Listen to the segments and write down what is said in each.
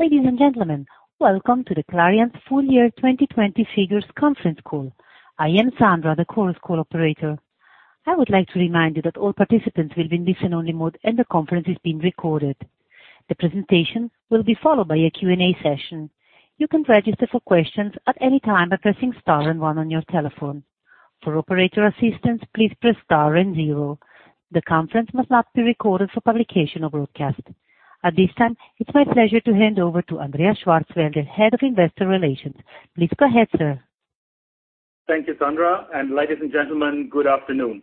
Ladies and gentlemen, Welcome to the Clariant Full Year 2020 figures conference call. I am Sandra, the Chorus Call operator. I would like to remind you that all participants will be in listen-only mode, and the conference is being recorded. The presentation will be followed by a Q&A session. You can register for questions at any time by pressing star and one on your telephone. For operator assistance, please press star and zero. The conference must not be recorded for publication or broadcast. At this time, it is my pleasure to hand over to Andreas Schwarzwälder, Head of Investor Relations. Please go ahead, sir. Thank you, Sandra. Ladies and gentlemen, good afternoon.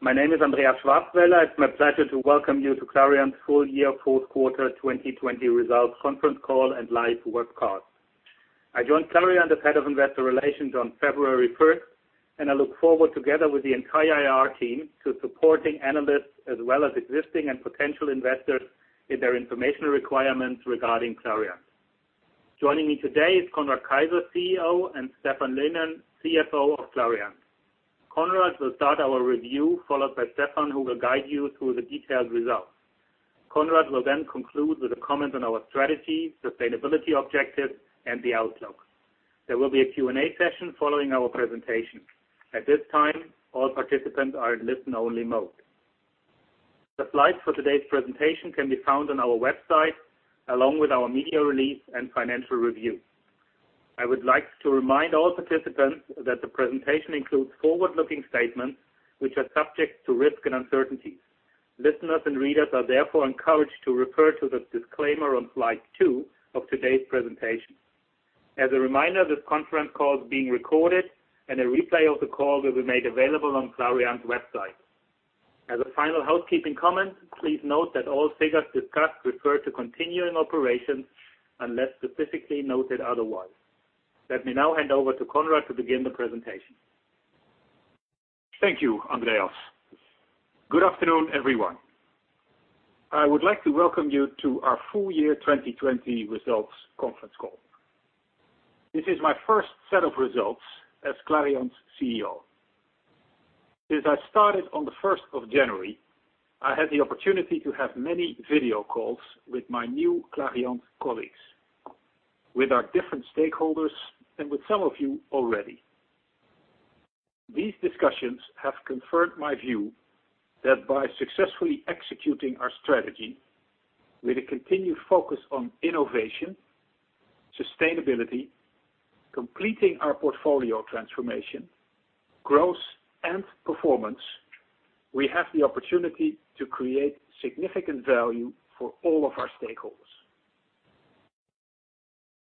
My name is Andreas Schwarzwälder. It's my pleasure to Welcome you to Clariant Full Year Fourth Quarter 2020 Results Conference Call and live webcast. I joined Clariant as Head of Investor Relations on February 1st, and I look forward, together with the entire IR team, to supporting analysts as well as existing and potential investors in their informational requirements regarding Clariant. Joining me today is Conrad Keijzer, CEO, and Stephan Lynen, CFO of Clariant. Conrad will start our review, followed by Stephan, who will guide you through the detailed results. Conrad will conclude with a comment on our strategy, sustainability objectives, and the outlook. There will be a Q&A session following our presentation. At this time, all participants are in listen-only mode. The slides for today's presentation can be found on our website, along with our media release and financial review. I would like to remind all participants that the presentation includes forward-looking statements, which are subject to risk and uncertainties. Listeners and readers are therefore encouraged to refer to the disclaimer on slide two of today's presentation. As a reminder, this conference call is being recorded, and a replay of the call will be made available on Clariant's website. As a final housekeeping comment, please note that all figures discussed refer to continuing operations unless specifically noted otherwise. Let me now hand over to Conrad to begin the presentation. Thank you, Andreas. Good afternoon, everyone. I would like to welcome you to our full year 2020 results conference call. This is my first set of results as Clariant's CEO. Since I started on the 1st of January, I had the opportunity to have many video calls with my new Clariant colleagues, with our different stakeholders, and with some of you already. These discussions have confirmed my view that by successfully executing our strategy with a continued focus on innovation, sustainability, completing our portfolio transformation, growth, and performance, we have the opportunity to create significant value for all of our stakeholders.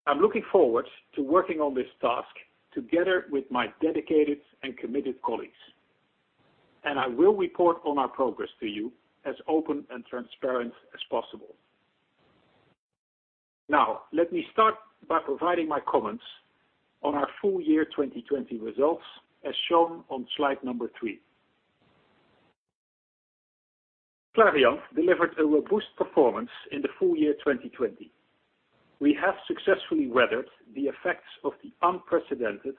I am looking forward to working on this task together with my dedicated and committed colleagues. I will report on our progress to you as open and transparent as possible. Let me start by providing my comments on our full year 2020 results, as shown on slide number three. Clariant delivered a robust performance in the full year 2020. We have successfully weathered the effects of the unprecedented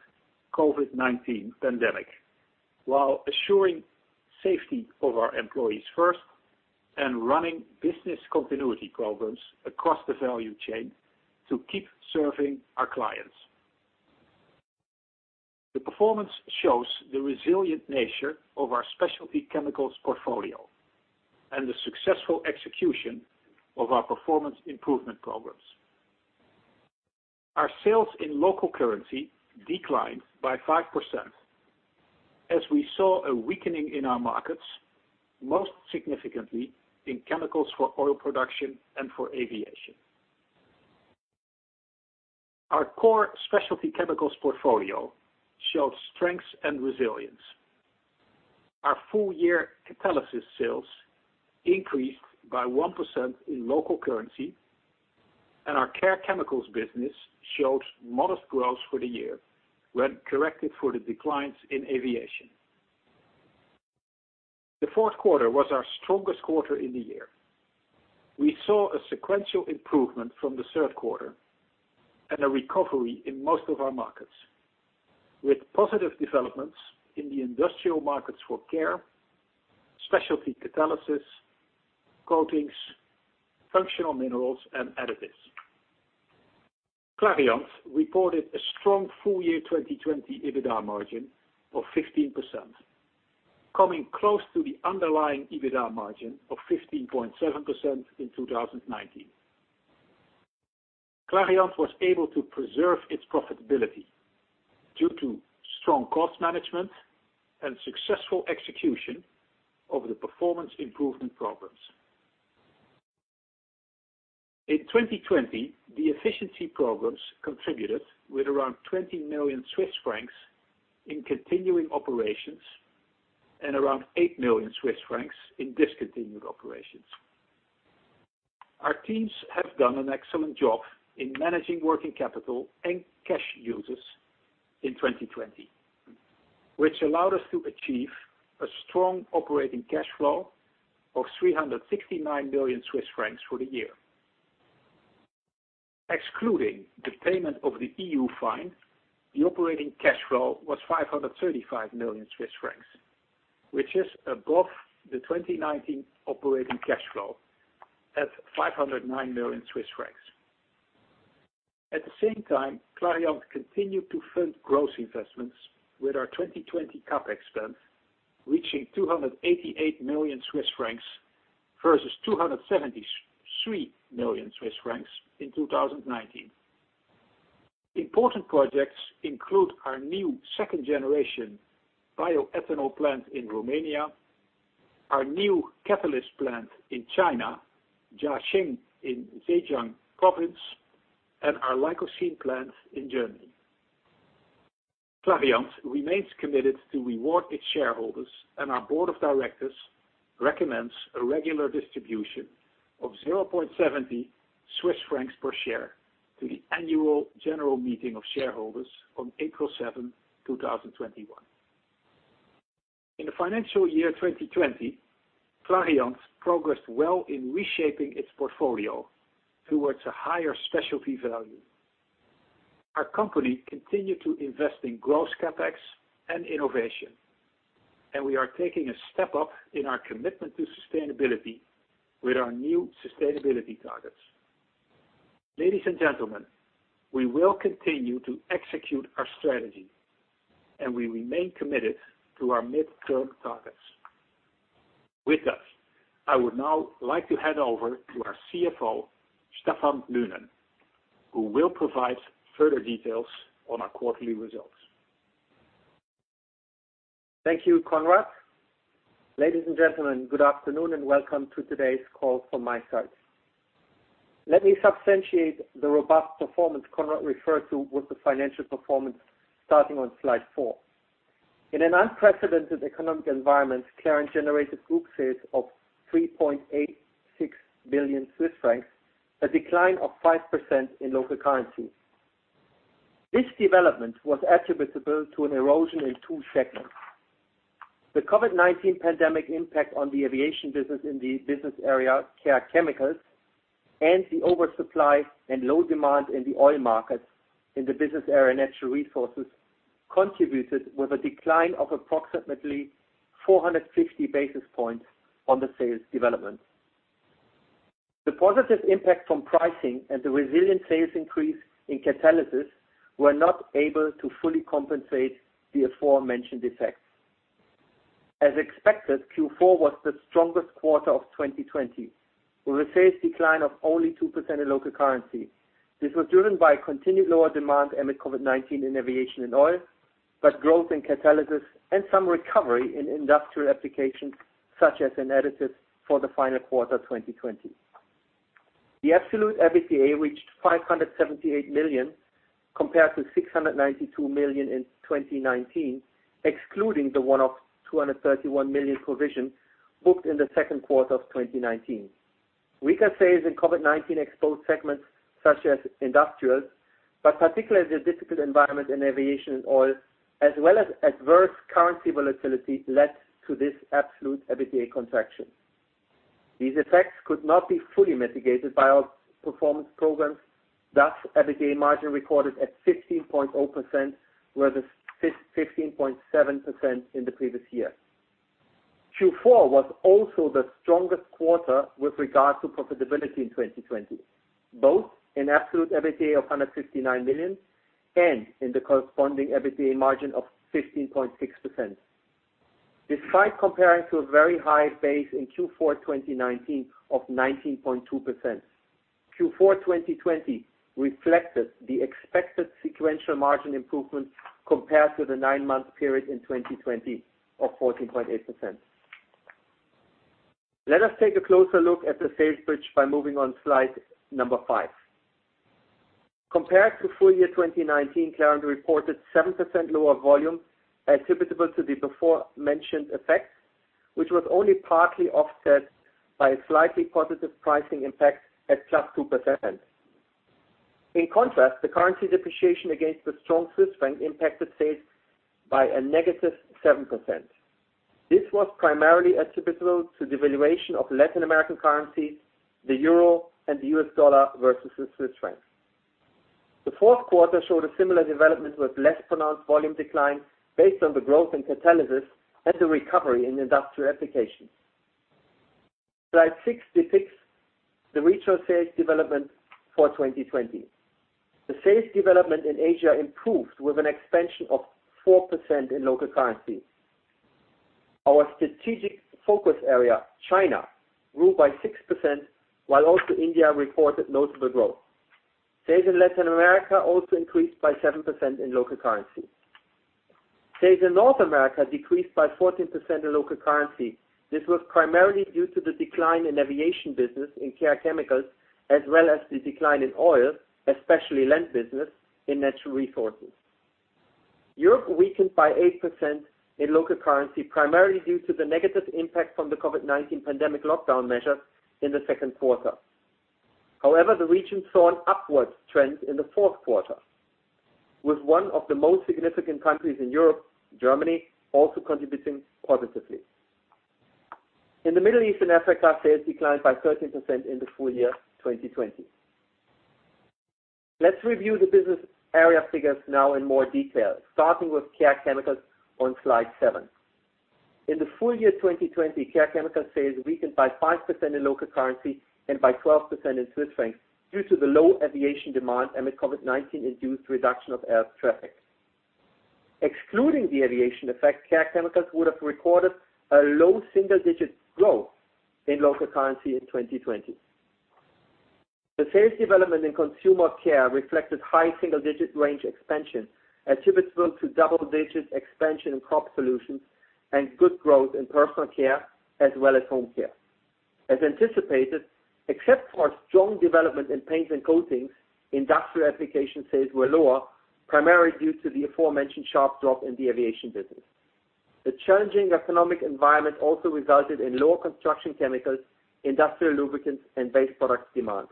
COVID-19 pandemic while assuring safety of our employees first and running business continuity programs across the value chain to keep serving our clients. The performance shows the resilient nature of our specialty chemicals portfolio and the successful execution of our performance improvement programs. Our sales in local currency declined by 5%, as we saw a weakening in our markets, most significantly in chemicals for oil production and for aviation. Our core specialty chemicals portfolio showed strength and resilience. Our full-year Catalysis sales increased by 1% in local currency, and our Care Chemicals business showed modest growth for the year when corrected for the declines in aviation. The fourth quarter was our strongest quarter in the year. We saw a sequential improvement from the third quarter and a recovery in most of our markets, with positive developments in the industrial markets for care, Catalysis, coatings, Functional Minerals, and Additives. Clariant reported a strong full year 2020 EBITDA margin of 15%, coming close to the underlying EBITDA margin of 15.7% in 2019. Clariant was able to preserve its profitability due to strong cost management and successful execution of the performance improvement programs. In 2020, the efficiency programs contributed with around 20 million Swiss francs in continuing operations and around 8 million Swiss francs in discontinued operations. Our teams have done an excellent job in managing working capital and cash uses in 2020, which allowed us to achieve a strong operating cash flow of 369 million Swiss francs for the year. Excluding the payment of the EU fine, the operating cash flow was 535 million Swiss francs, which is above the 2019 operating cash flow at 509 million Swiss francs. At the same time, Clariant continued to fund growth investments with our 2020 CapEx spend reaching 288 million Swiss francs versus 273 million Swiss francs in 2019. Important projects include our new second-generation bioethanol plant in Romania, our new catalyst plant in China, Jiaxing in Zhejiang Province, and our Licocene plant in Germany. Clariant remains committed to reward its shareholders. Our board of directors recommends a regular distribution of 0.70 Swiss francs per share to the annual general meeting of shareholders on April 7, 2021. In the financial year 2020, Clariant progressed well in reshaping its portfolio towards a higher specialty value. Our company continued to invest in growth CapEx and innovation, and we are taking a step up in our commitment to sustainability with our new sustainability targets. Ladies and gentlemen, we will continue to execute our strategy, and we remain committed to our midterm targets. With that, I would now like to hand over to our CFO, Stephan Lynen, who will provide further details on our quarterly results. Thank you, Conrad. Ladies and gentlemen, good afternoon and welcome to today's call from my side. Let me substantiate the robust performance Conrad referred to with the financial performance starting on slide four. In an unprecedented economic environment, Clariant generated group sales of 3.86 billion Swiss francs, a decline of 5% in local currency. This development was attributable to an erosion in two segments. The COVID-19 pandemic impact on the Aviation business in the business area Care Chemicals and the oversupply and low demand in the oil markets in the business area Natural Resources contributed with a decline of approximately 450 basis points on the sales development. The positive impact from pricing and the resilient sales increase in Catalysis were not able to fully compensate the aforementioned effects. As expected, Q4 was the strongest quarter of 2020, with a sales decline of only 2% in local currency. This was driven by continued lower demand amid COVID-19 in aviation and oil, but growth in Catalysis and some recovery in Industrial Applications such as Additives for the final quarter 2020. The absolute EBITDA reached 578 million compared to 692 million in 2019, excluding the one-off 231 million provision booked in the second quarter of 2019. We can say is in COVID-19 exposed segments such as industrials, but particularly the difficult environment in aviation and oil, as well as adverse currency volatility led to this absolute EBITDA contraction. These effects could not be fully mitigated by our performance programs. EBITDA margin recorded at 15.0% where it was 15.7% in the previous year. Q4 was also the strongest quarter with regard to profitability in 2020, both in absolute EBITDA of 159 million and in the corresponding EBITDA margin of 15.6%. Despite comparing to a very high base in Q4 2019 of 19.2%, Q4 2020 reflected the expected sequential margin improvement compared to the nine-month period in 2020 of 14.8%. Let us take a closer look at the sales pitch by moving on slide number five. Compared to full year 2019, Clariant reported 7% lower volume attributable to the before-mentioned effects, which was only partly offset by a slightly positive pricing impact at +2%. In contrast, the currency depreciation against the strong Swiss franc impacted sales by a -7%. This was primarily attributable to the valuation of Latin American currency, the euro, and the US dollar versus the Swiss franc. The fourth quarter showed a similar development with less pronounced volume decline based on the growth in Catalysis and the recovery in Industrial Applications. Slide six depicts the regional sales development for 2020. The sales development in Asia improved with an expansion of 4% in local currency. Our strategic focus area, China, grew by 6%, while also India reported notable growth. Sales in Latin America also increased by 7% in local currency. Sales in North America decreased by 14% in local currency. This was primarily due to the decline in Aviation business in Care Chemicals, as well as the decline in oil, especially land business in Natural Resources. Europe weakened by 8% in local currency, primarily due to the negative impact from the COVID-19 pandemic lockdown measures in the second quarter. However, the region saw an upward trend in the fourth quarter, with one of the most significant countries in Europe, Germany, also contributing positively. In the Middle East and Africa, sales declined by 13% in the full year 2020. Let's review the business area figures now in more detail, starting with Care Chemicals on slide seven. In the full year 2020, Care Chemicals sales weakened by 5% in local currency and by 12% in Swiss francs due to the low aviation demand amid COVID-19-induced reduction of air traffic. Excluding the aviation effect, Care Chemicals would have recorded a low single-digit growth in local currency in 2020. The sales development in Consumer Care reflected high single-digit range expansion attributable to double-digit expansion in Crop Solutions and good growth in Personal Care as well as Home Care. As anticipated, except for strong development in Paints and Coatings, Industrial Applications sales were lower, primarily due to the aforementioned sharp drop in the Aviation business. The challenging economic environment also resulted in lower Construction Chemicals, Industrial Lubricants, and Base Chemicals demand.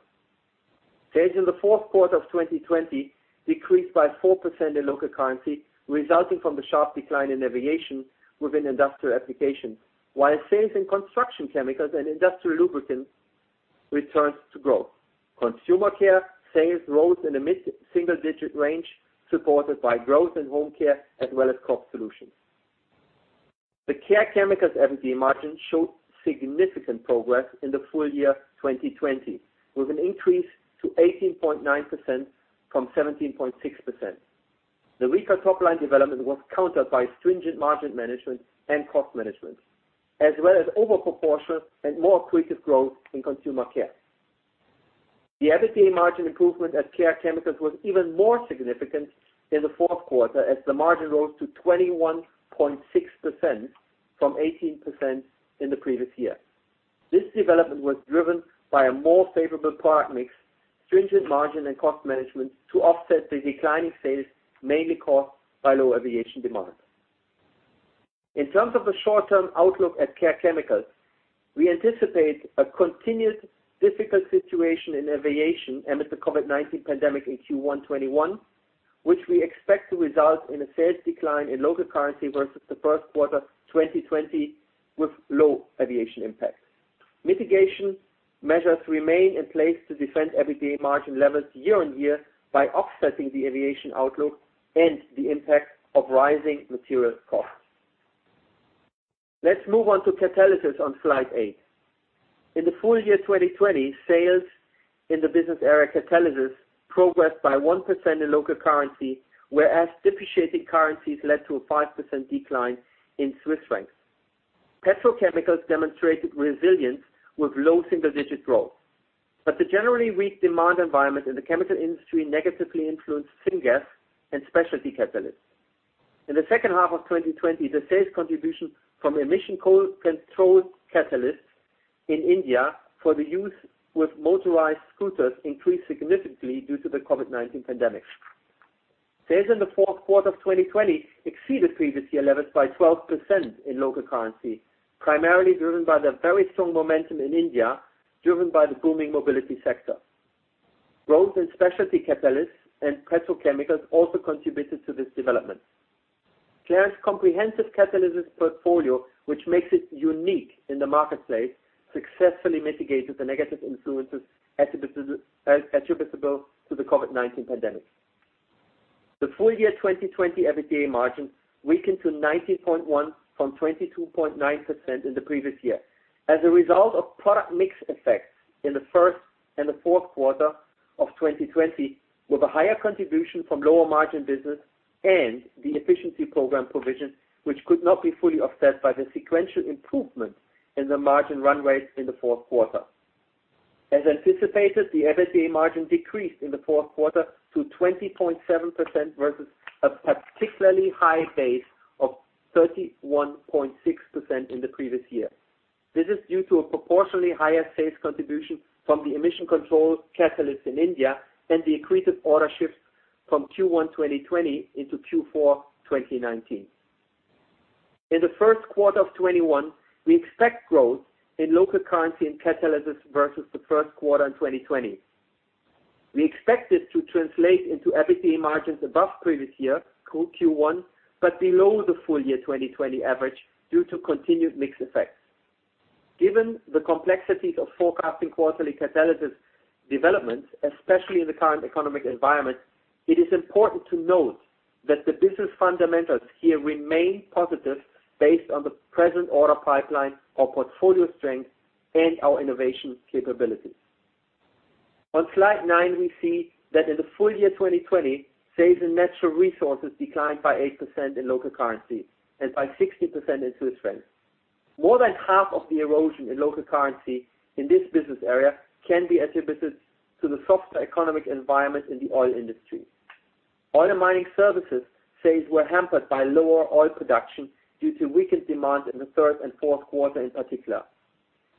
Sales in the fourth quarter of 2020 decreased by 4% in local currency, resulting from the sharp decline in Aviation business within Industrial Applications, while sales in Construction Chemicals and Industrial Lubricants returned to growth. Consumer Care sales rose in the mid single-digit range, supported by growth in Home Care as well as Crop Solutions. The Care Chemicals EBITDA margin showed significant progress in the full year 2020, with an increase to 18.9% from 17.6%. The weaker top-line development was countered by stringent margin management and cost management, as well as overproportion and more accretive growth in Consumer Care. The EBITDA margin improvement at Care Chemicals was even more significant in the fourth quarter, as the margin rose to 21.6% from 18% in the previous year. This development was driven by a more favorable product mix, stringent margin and cost management to offset the declining sales, mainly caused by low aviation demand. In terms of the short-term outlook at Care Chemicals, we anticipate a continued difficult situation in aviation amid the COVID-19 pandemic in Q1 2021, which we expect to result in a sales decline in local currency versus the first quarter 2020 with low aviation impact. Mitigation measures remain in place to defend EBITDA margin levels year on year by offsetting the aviation outlook and the impact of rising material costs. Let's move on to Catalysis on slide eight. In the full year 2020, sales in the business area Catalysis progressed by 1% in local currency, whereas depreciating currencies led to a 5% decline in Swiss francs. Petrochemicals demonstrated resilience with low single-digit growth, but the generally weak demand environment in the chemical industry negatively influenced syngas and specialty catalysts. In the second half of 2020, the sales contribution from Emission Control Catalysts in India for the use with motorized scooters increased significantly due to the COVID-19 pandemic. Sales in the fourth quarter of 2020 exceeded previous year levels by 12% in local currency, primarily driven by the very strong momentum in India, driven by the booming mobility sector. Growth in specialty catalysts and petrochemicals also contributed to this development. Clariant's comprehensive Catalysis portfolio, which makes it unique in the marketplace, successfully mitigated the negative influences attributable to the COVID-19 pandemic. The full year 2020 EBITDA margin weakened to 19.1% from 22.9% in the previous year as a result of product mix effects in the first and the fourth quarter of 2020, with a higher contribution from lower margin business and the efficiency program provision, which could not be fully offset by the sequential improvement in the margin run rate in the fourth quarter. As anticipated, the EBITDA margin decreased in the fourth quarter to 20.7% versus a particularly high base of 31.6% in the previous year. This is due to a proportionally higher sales contribution from the Emission Control Catalysts in India and the accretive order shifts from Q1 2020 into Q4 2019. In the first quarter of 2021, we expect growth in local currency in Catalysis versus the first quarter in 2020. We expect this to translate into EBITDA margins above previous year Q1, but below the full year 2020 average due to continued mix effects. Given the complexities of forecasting quarterly Catalysis developments, especially in the current economic environment, it is important to note that the business fundamentals here remain positive based on the present order pipeline, our portfolio strength, and our innovation capabilities. On slide nine, we see that in the full year 2020, sales in Natural Resources declined by 8% in local currency and by 16% in CHF. More than half of the erosion in local currency in this business area can be attributed to the softer economic environment in the oil industry. Oil and Mining Services sales were hampered by lower oil production due to weakened demand in the third and fourth quarter in particular.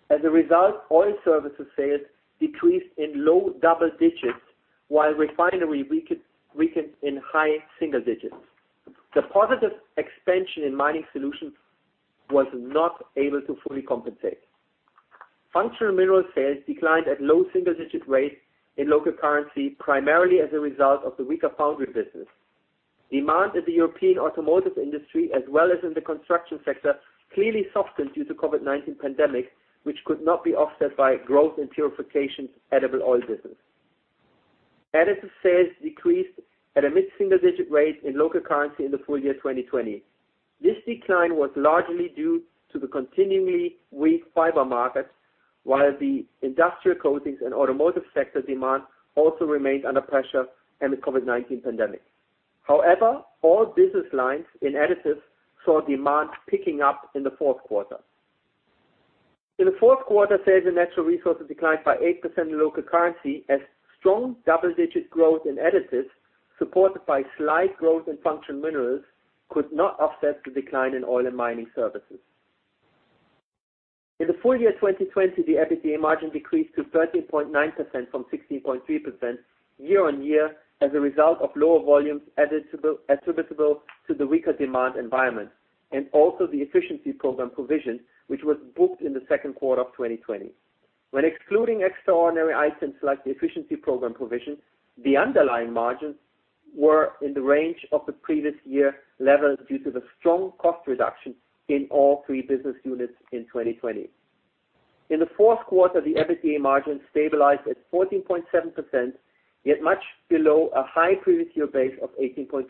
As a result, oil services sales decreased in low double digits, while refinery weakened in high single digits. The positive expansion in mining solutions was not able to fully compensate. Functional Minerals sales declined at low single-digit rates in local currency, primarily as a result of the weaker foundry business. Demand in the European automotive industry as well as in the construction sector clearly softened due to COVID-19 pandemic, which could not be offset by growth in purification edible oil business. Additives sales decreased at a mid-single-digit rate in local currency in the full year 2020. This decline was largely due to the continually weak fiber market, while the industrial coatings and automotive sector demand also remained under pressure amid COVID-19 pandemic. However, all business lines in Additives saw demand picking up in the fourth quarter. In the fourth quarter, sales in Natural Resources declined by 8% in local currency as strong double-digit growth in Additives, supported by slight growth in Functional Minerals, could not offset the decline in Oil and Mining Services. In the full year 2020, the EBITDA margin decreased to 13.9% from 16.3% year-over-year as a result of lower volumes attributable to the weaker demand environment, and also the efficiency program provision, which was booked in the second quarter of 2020. When excluding extraordinary items like the efficiency program provision, the underlying margins were in the range of the previous year levels due to the strong cost reduction in all three business units in 2020. In the fourth quarter, the EBITDA margin stabilized at 14.7%, yet much below a high previous year base of 18.2%.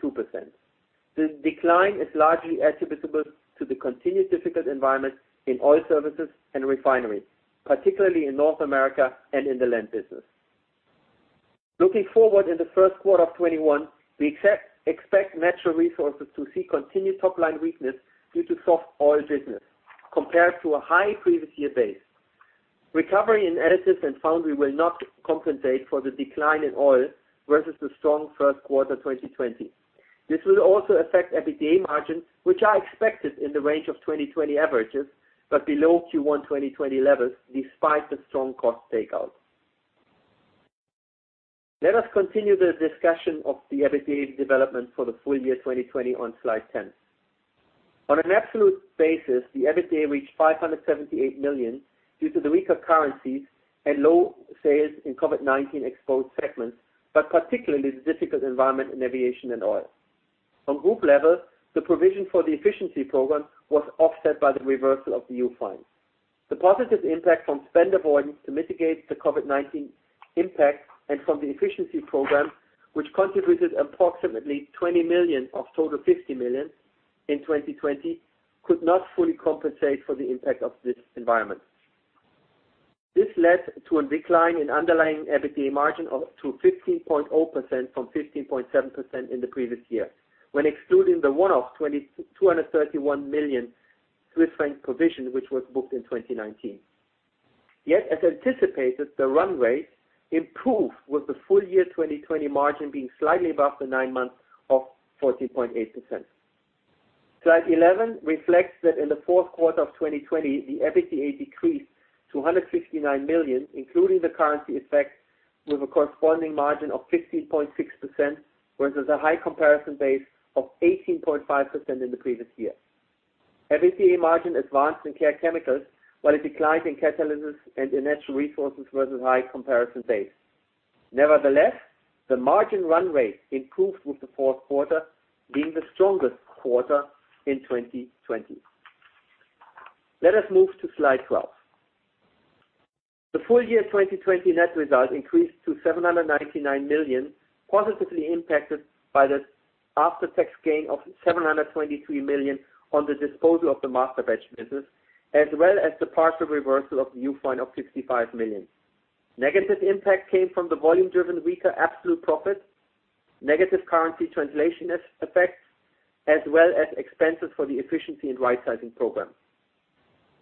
The decline is largely attributable to the continued difficult environment in oil services and refineries, particularly in North America and in the Aviation business. Looking forward in the first quarter of 2021, we expect Natural Resources to see continued top-line weakness due to soft oil business compared to a high previous year base. Recovery in Additives and foundry will not compensate for the decline in oil versus the strong first quarter 2020. This will also affect EBITDA margins, which are expected in the range of 2020 averages, but below Q1 2020 levels, despite the strong cost takeout. Let us continue the discussion of the EBITDA development for the full year 2020 on slide 10. On an absolute basis, the EBITDA reached 578 million due to the weaker currencies and low sales in COVID-19 exposed segments, but particularly the difficult environment in aviation and oil. On group level, the provision for the efficiency program was offset by the reversal of the EU fine. The positive impact from spend avoidance to mitigate the COVID-19 impact and from the efficiency program, which contributed approximately 20 million of total 50 million in 2020, could not fully compensate for the impact of this environment. This led to a decline in underlying EBITDA margin to 15.0% from 15.7% in the previous year. When excluding the one-off 231 million Swiss franc provision, which was booked in 2019. As anticipated, the runway improved with the full year 2020 margin being slightly above the nine months of 14.8%. Slide 11 reflects that in the fourth quarter of 2020, the EBITDA decreased to 159 million, including the currency effect, with a corresponding margin of 15.6%, whereas a high comparison base of 18.5% in the previous year. EBITDA margin advanced in Care Chemicals, while a decline in Catalysis and in Natural Resources versus high comparison base. Nevertheless, the margin run rate improved with the fourth quarter being the strongest quarter in 2020. Let us move to slide 12. The full year 2020 net result increased to 799 million, positively impacted by the after-tax gain of 723 million on the disposal of the Masterbatches business, as well as the partial reversal of the EU fine of 65 million. Negative impact came from the volume-driven weaker absolute profit, negative currency translation effects, as well as expenses for the efficiency and rightsizing program.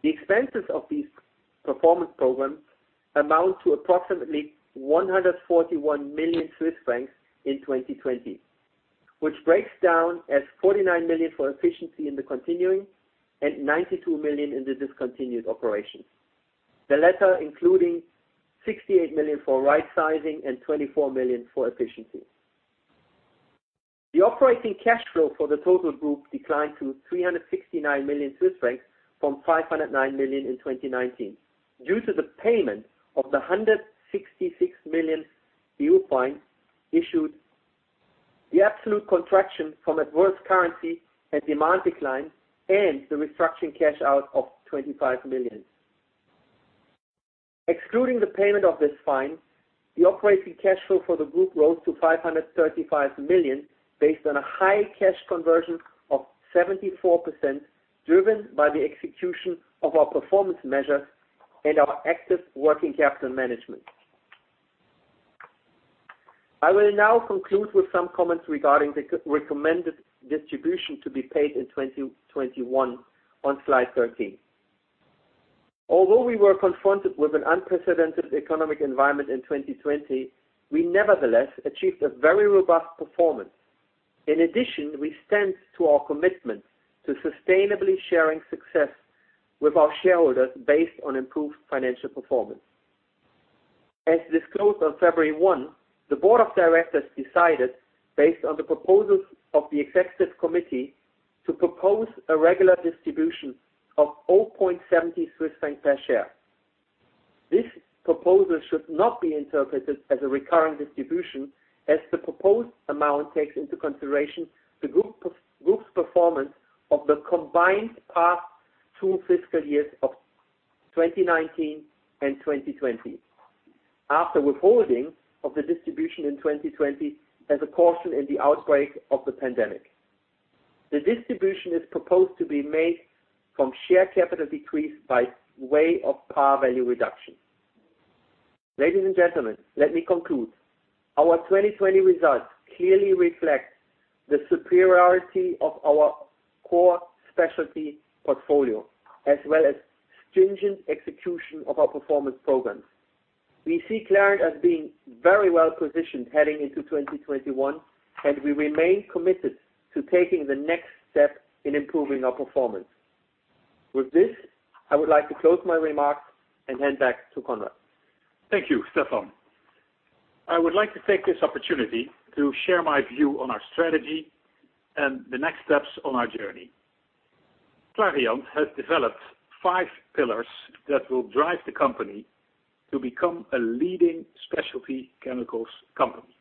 The expenses of these performance programs amount to approximately 141 million Swiss francs in 2020, which breaks down as 49 million for efficiency in the continuing and 92 million in the discontinued operations. The latter including 68 million for rightsizing and 24 million for efficiency. The operating cash flow for the total group declined to 369 million Swiss francs from 509 million in 2019 due to the payment of the 166 million EU fine issued, the absolute contraction from adverse currency and demand decline, and the restructuring cash out of 25 million. Excluding the payment of this fine, the operating cash flow for the group rose to 535 million based on a high cash conversion of 74% driven by the execution of our performance measures and our active working capital management. I will now conclude with some comments regarding the recommended distribution to be paid in 2021 on slide 13. Although we were confronted with an unprecedented economic environment in 2020, we nevertheless achieved a very robust performance. In addition, we stand to our commitment to sustainably sharing success with our shareholders based on improved financial performance. As disclosed on February 1, the board of directors decided, based on the proposals of the executive committee, to propose a regular distribution of 0.70 Swiss franc per share. This proposal should not be interpreted as a recurring distribution, as the proposed amount takes into consideration the group's performance of the combined past two fiscal years of 2019 and 2020 after withholding of the distribution in 2020 as a caution in the outbreak of the pandemic. The distribution is proposed to be made from share capital decreased by way of par value reduction. Ladies and gentlemen, let me conclude. Our 2020 results clearly reflect the superiority of our core specialty portfolio, as well as stringent execution of our performance programs. We see Clariant as being very well-positioned heading into 2021, and we remain committed to taking the next step in improving our performance. With this, I would like to close my remarks and hand back to Conrad. Thank you, Stephan. I would like to take this opportunity to share my view on our strategy and the next steps on our journey. Clariant has developed five pillars that will drive the company to become a leading specialty chemicals company.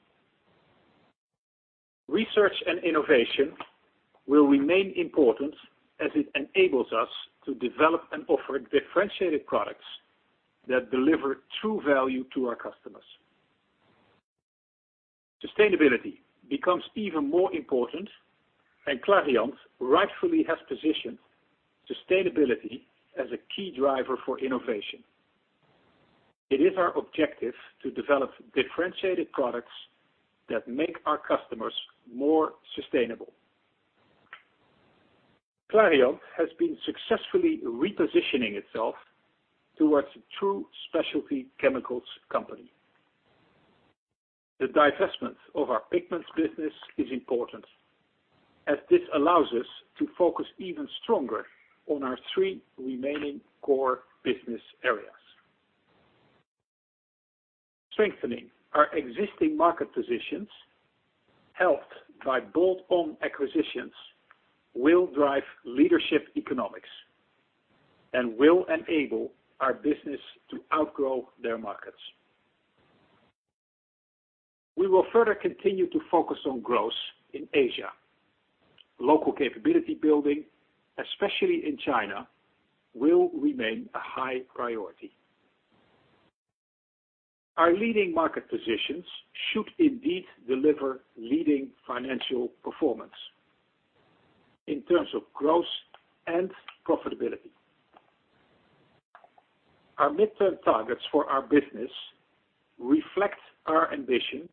Research and innovation will remain important as it enables us to develop and offer differentiated products that deliver true value to our customers. Sustainability becomes even more important, and Clariant rightfully has positioned sustainability as a key driver for innovation. It is our objective to develop differentiated products that make our customers more sustainable. Clariant has been successfully repositioning itself towards a true specialty chemicals company. The divestment of our Pigments business is important, as this allows us to focus even stronger on our three remaining core business areas. Strengthening our existing market positions, helped by bolt-on acquisitions, will drive leadership economics, and will enable our business to outgrow their markets. We will further continue to focus on growth in Asia. Local capability building, especially in China, will remain a high priority. Our leading market positions should indeed deliver leading financial performance in terms of growth and profitability. Our midterm targets for our business reflect our ambition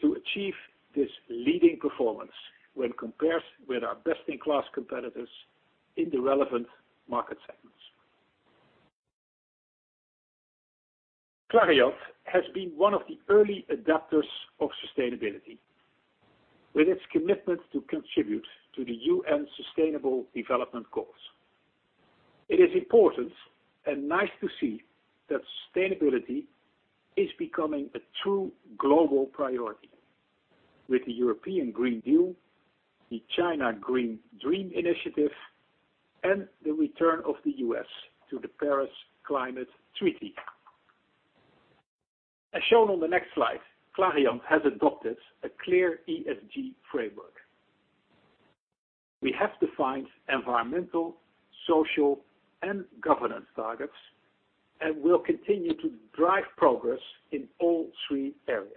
to achieve this leading performance when compared with our best-in-class competitors in the relevant market segments. Clariant has been one of the early adapters of sustainability with its commitment to contribute to the UN Sustainable Development Goals. It is important and nice to see that sustainability is becoming a true global priority with the European Green Deal, the China Green Dream Initiative, and the return of the U.S. to the Paris Agreement. As shown on the next slide, Clariant has adopted a clear ESG framework. We have defined environmental, social, and governance targets, and will continue to drive progress in all three areas.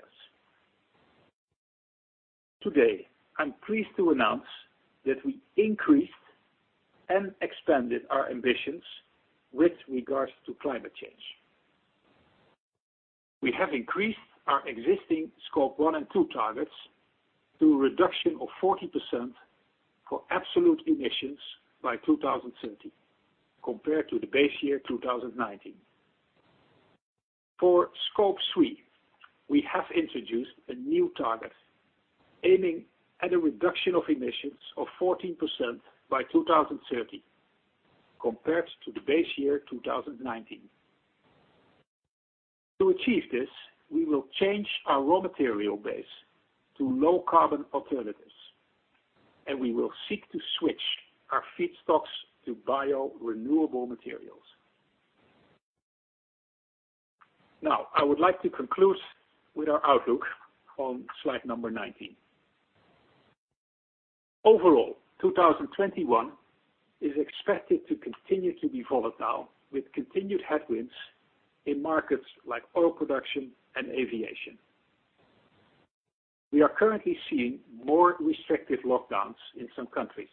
Today, I'm pleased to announce that we increased and expanded our ambitions with regards to climate change. We have increased our existing Scope 1 and 2 targets to a reduction of 40% for absolute emissions by 2030 compared to the base year 2019. For Scope 3, we have introduced a new target aiming at a reduction of emissions of 14% by 2030 compared to the base year 2019. To achieve this, we will change our raw material base to low-carbon alternatives, and we will seek to switch our feedstocks to bio-renewable materials. I would like to conclude with our outlook on slide number 19. Overall, 2021 is expected to continue to be volatile, with continued headwinds in markets like oil production and aviation. We are currently seeing more restrictive lockdowns in some countries,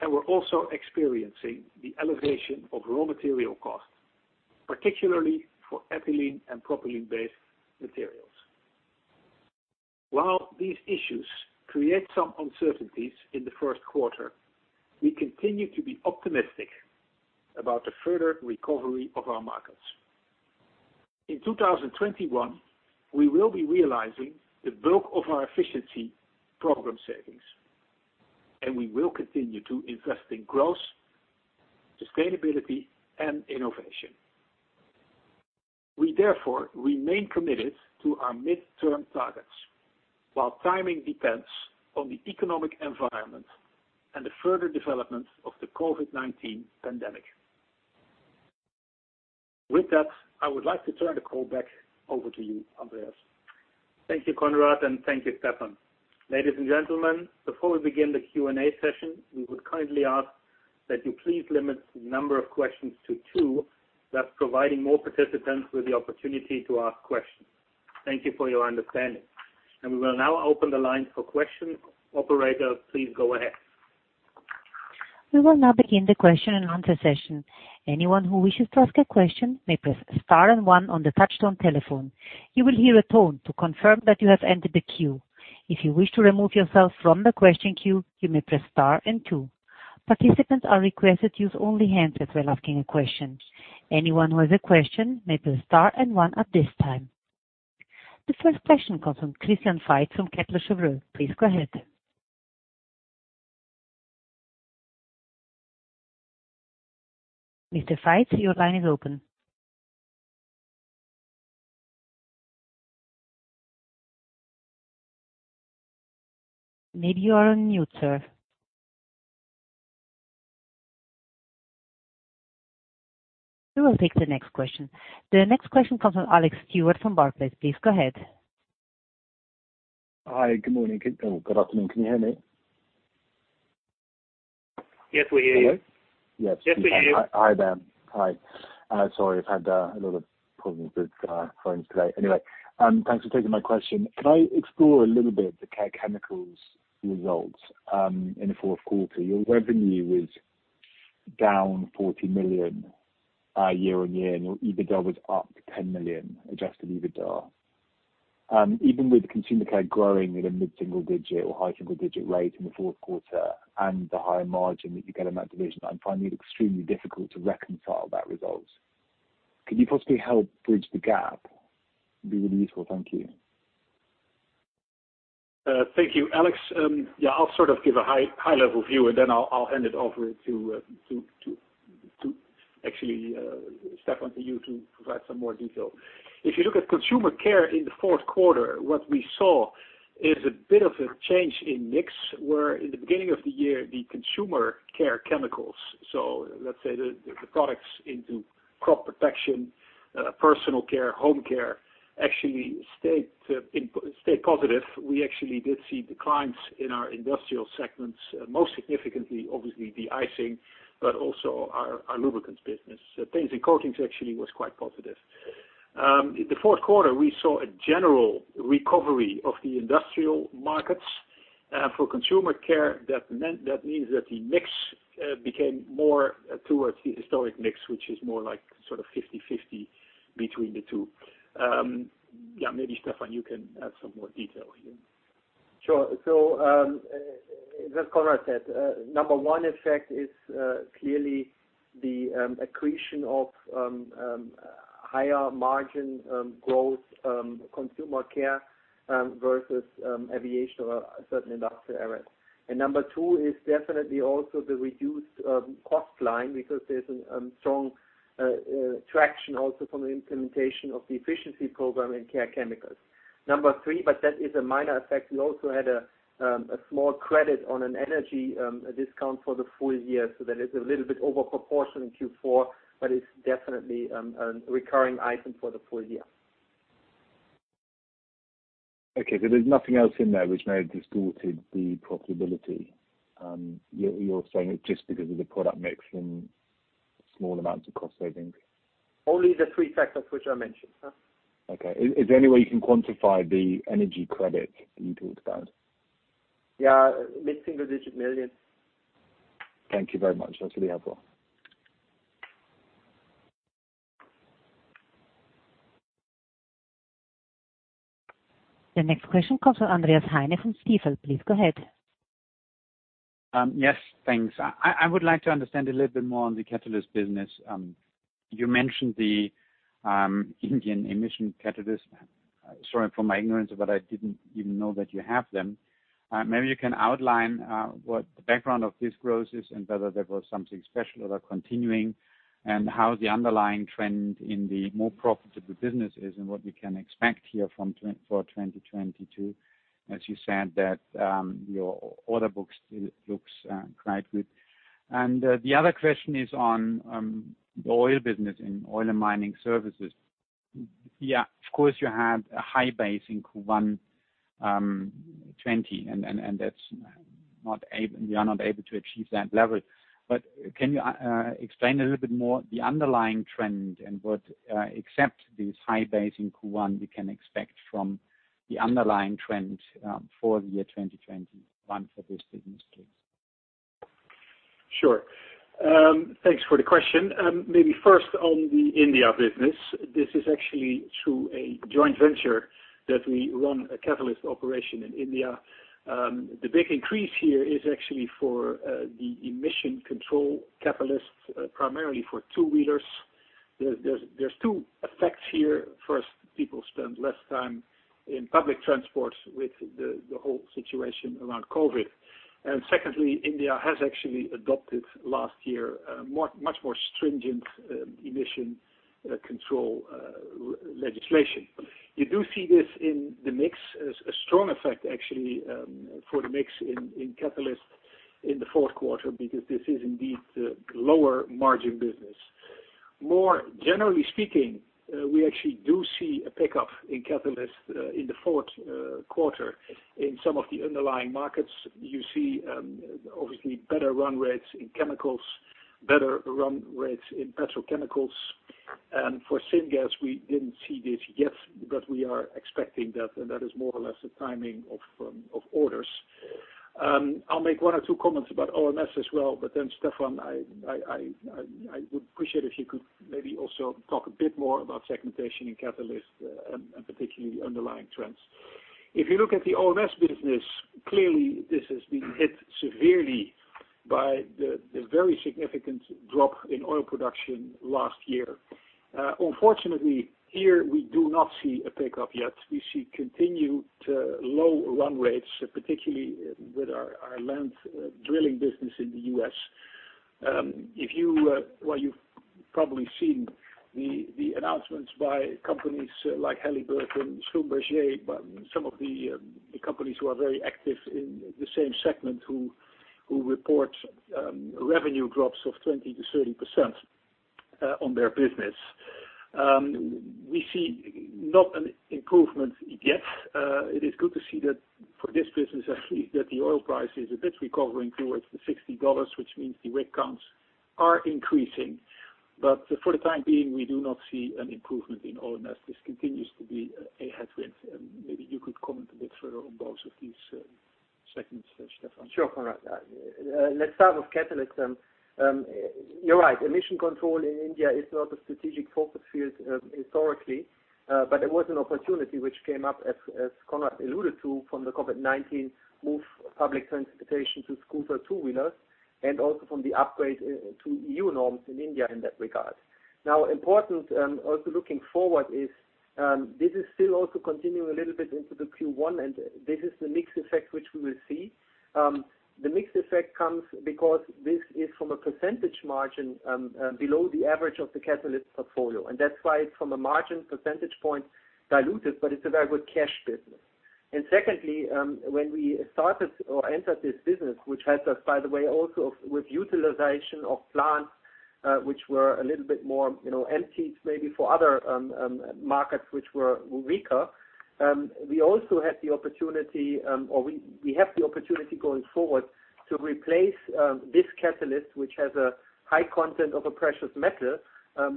and we're also experiencing the elevation of raw material costs, particularly for ethylene and propylene-based materials. While these issues create some uncertainties in the first quarter, we continue to be optimistic about the further recovery of our markets. In 2021, we will be realizing the bulk of our efficiency program savings, and we will continue to invest in growth, sustainability, and innovation. We therefore remain committed to our midterm targets, while timing depends on the economic environment and the further development of the COVID-19 pandemic. With that, I would like to turn the call back over to you, Andreas. Thank you, Conrad, and thank you, Stephan. Ladies and gentlemen, before we begin the Q&A session, we would kindly ask that you please limit the number of questions to two, thus providing more participants with the opportunity to ask questions. Thank you for your understanding. We will now open the line for questions. Operator, please go ahead. We will now begin the question and answer session. Anyone who wishes to ask a question may press star and one on the touch-tone telephone. You will hear a tone to confirm that you have entered the queue. If you wish to remove yourself from the question queue, you may press star and two. Participants are requested to use only hands when asking a question. Anyone who has a question may press star and one at this time. The 1st question comes from Christian Faitz. Please go ahead. Mr. Faitz, your line is open. Maybe you are on mute, sir. We will take the next question. The next question comes from Alex Stewart from Barclays. Please go ahead. Hi. Good morning. Oh, good afternoon. Can you hear me? Yes, we hear you. Hello? Yes, we hear you. Hi there. Hi. Sorry, I've had a lot of problems with phones today. Anyway, thanks for taking my question. Can I explore a little bit the Care Chemicals results, in the fourth quarter? Your revenue was down 40 million year-on-year, and your EBITDA was up 10 million, adjusted EBITDA. Even with Consumer Care growing at a mid-single digit or high single-digit rate in the fourth quarter and the higher margin that you get in that division, I'm finding it extremely difficult to reconcile that result. Could you possibly help bridge the gap? It'd be really useful. Thank you. Thank you, Alex. I'll give a high-level view, and then I'll hand it over to actually, Stephan, to you to provide some more detail. If you look at Consumer Care in the fourth quarter, what we saw is a bit of a change in mix, where in the beginning of the year, the Consumer Care chemicals, so let's say the products into crop protection, Personal Care, Home Care, actually stayed positive. We actually did see declines in our industrial segments, most significantly, obviously, de-icing, but also our lubricants business. Paints and Coatings actually was quite positive. In the fourth quarter, we saw a general recovery of the industrial markets. For Consumer Care, that means that the mix became more towards the historic mix, which is more like sort of 50/50 between the two. Maybe Stephan, you can add some more detail here. Sure. As Conrad said, number one effect is clearly the accretion of higher margin growth Consumer Care versus aviation or certain industrial areas. Number two is definitely also the reduced cost line because there's a strong traction also from the implementation of the efficiency program in Care Chemicals. Number three, but that is a minor effect, we also had a small credit on an energy discount for the full year, so that is a little bit over proportion in Q4, but it's definitely a recurring item for the full year. Okay. There's nothing else in there which may have distorted the profitability. You're saying it's just because of the product mix and small amounts of cost savings? Only the three factors which I mentioned, sir. Okay. Is there any way you can quantify the energy credit that you talked about? Yeah, CHF mid-single digit million. Thank you very much. That's really helpful. The next question comes from Andreas Heine from Stifel. Please go ahead. Yes. Thanks. I would like to understand a little bit more on the catalyst business. You mentioned the Indian Emission Control Catalyst. Sorry for my ignorance, but I didn't even know that you have them. Maybe you can outline what the background of this growth is and whether there was something special about continuing and how the underlying trend in the more profitable business is and what we can expect here for 2022, as you said that your order books looks quite good? The other question is on the oil business in Oil and Mining Services. Yeah, of course, you had a high base in Q1 2020 and you are not able to achieve that level. Can you explain a little bit more the underlying trend and what, except this high base in Q1, we can expect from the underlying trend for the year 2021 for this business, please? Sure. Thanks for the question. Maybe first on the India business. This is actually through a joint venture that we run a catalyst operation in India. The big increase here is actually for the Emission Control Catalysts, primarily for two-wheelers. There's two effects here. 1st, people spend less time in public transport with the whole situation around COVID. 2nd, India has actually adopted last year a much more stringent emission control legislation. You do see this in the mix as a strong effect actually, for the mix in catalyst in the fourth quarter, because this is indeed the lower margin business. More generally speaking, we actually do see a pickup in catalyst in the fourth quarter. In some of the underlying markets, you see obviously better run rates in chemicals, better run rates in petrochemicals. For syngas, we didn't see this yet, but we are expecting that, and that is more or less the timing of orders. I'll make one or two comments about OMS as well, but then Stephan, I would appreciate if you could maybe also talk a bit more about segmentation in catalyst, and particularly underlying trends. If you look at the OMS business, clearly this has been hit severely by the very significant drop in oil production last year. Unfortunately, here we do not see a pickup yet. We see continued low run rates, particularly with our land drilling business in the U.S. You've probably seen the announcements by companies like Halliburton, Schlumberger, some of the companies who are very active in the same segment, who report revenue drops of 20%-30% on their business. We see not an improvement yet. It is good to see that for this business actually, that the oil price is a bit recovering towards the CHF 60, which means the rig counts are increasing. For the time being, we do not see an improvement in OMS. This continues to be a headwind. Maybe you could comment a bit further on both of these segments, Stephan. Sure, Conrad. Start with Catalyst. You're right. Emission Control in India is not a strategic focus field historically. It was an opportunity which came up as Conrad alluded to from the COVID-19 move public transportation to scooter two-wheelers, and also from the upgrade to BS-VI norms in India in that regard. Important, also looking forward is, this is still also continuing a little bit into the Q1. This is the mixed effect which we will see. The mixed effect comes because this is from a percentage margin, below the average of the Catalyst portfolio. That's why from a margin percentage point diluted, it's a very good cash business. Secondly, when we started or entered this business, which helped us, by the way, also with utilization of plants, which were a little bit more empty maybe for other markets which were weaker. We also had the opportunity, or we have the opportunity going forward to replace this catalyst, which has a high content of a precious metal,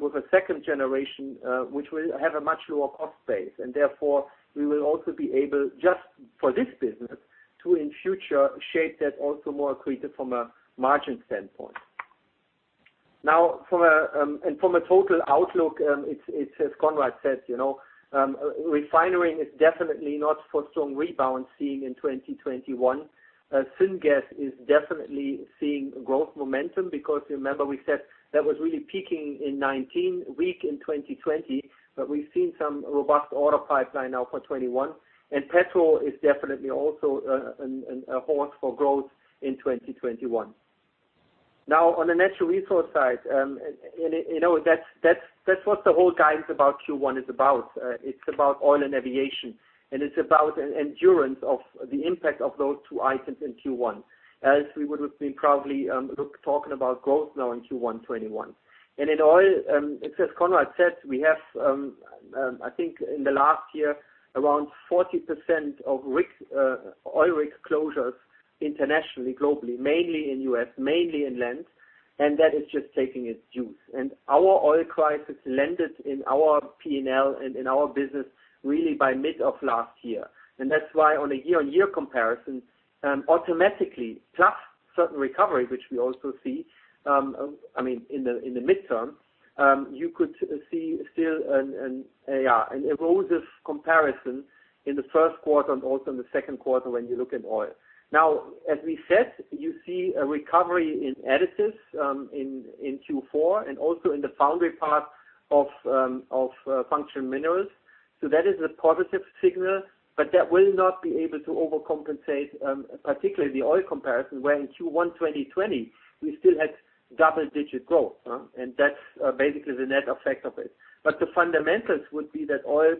with a second generation, which will have a much lower cost base. Therefore, we will also be able just for this business to, in future, shape that also more accretive from a margin standpoint. Now, from a total outlook, it's as Conrad said. Refinery is definitely not for strong rebound seeing in 2021. Syngas is definitely seeing growth momentum because remember we said that was really peaking in 2019, weak in 2020, but we've seen some robust order pipeline now for 2021. Petrol is definitely also a horse for growth in 2021. Now, on the Natural Resources side, that's what the whole guidance about Q1 is about. It's about oil and Aviation, it's about an endurance of the impact of those two items in Q1. Else we would have been probably talking about growth now in Q1 2021. In oil, as Conrad said, we have I think in the last year, around 40% of oil rig closures internationally, globally, mainly in U.S., mainly in land, and that is just taking its due. Our oil crisis landed in our P&L and in our business really by mid of last year. That's why on a year-on-year comparison, automatically plus certain recovery, which we also see, in the midterm, you could see still an erosive comparison in the first quarter and also in the second quarter when you look at oil. Now, as we said, you see a recovery in Additives in Q4 and also in the foundry part of Functional Minerals. That is a positive signal, but that will not be able to overcompensate, particularly the oil comparison, where in Q1 2020 we still had double-digit growth. That's basically the net effect of it. The fundamentals would be that oil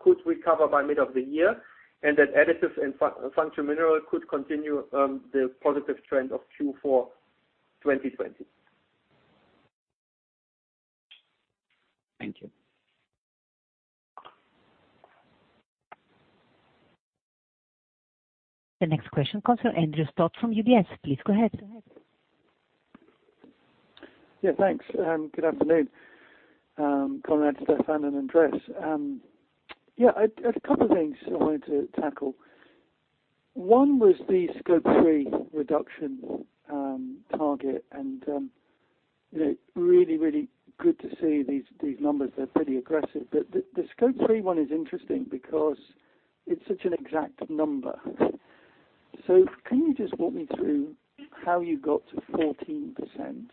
could recover by mid of the year and that Additives and Functional Minerals could continue the positive trend of Q4 2020. Thank you. The next question comes from Andrew Stott from UBS. Please go ahead. Thanks. Good afternoon. Conrad, Stephan, and Andreas. A couple things I wanted to tackle. One was the Scope 3 reduction target and really good to see these numbers. They're pretty aggressive, but the Scope 3 one is interesting because it's such an exact number. Can you just walk me through how you got to 14%?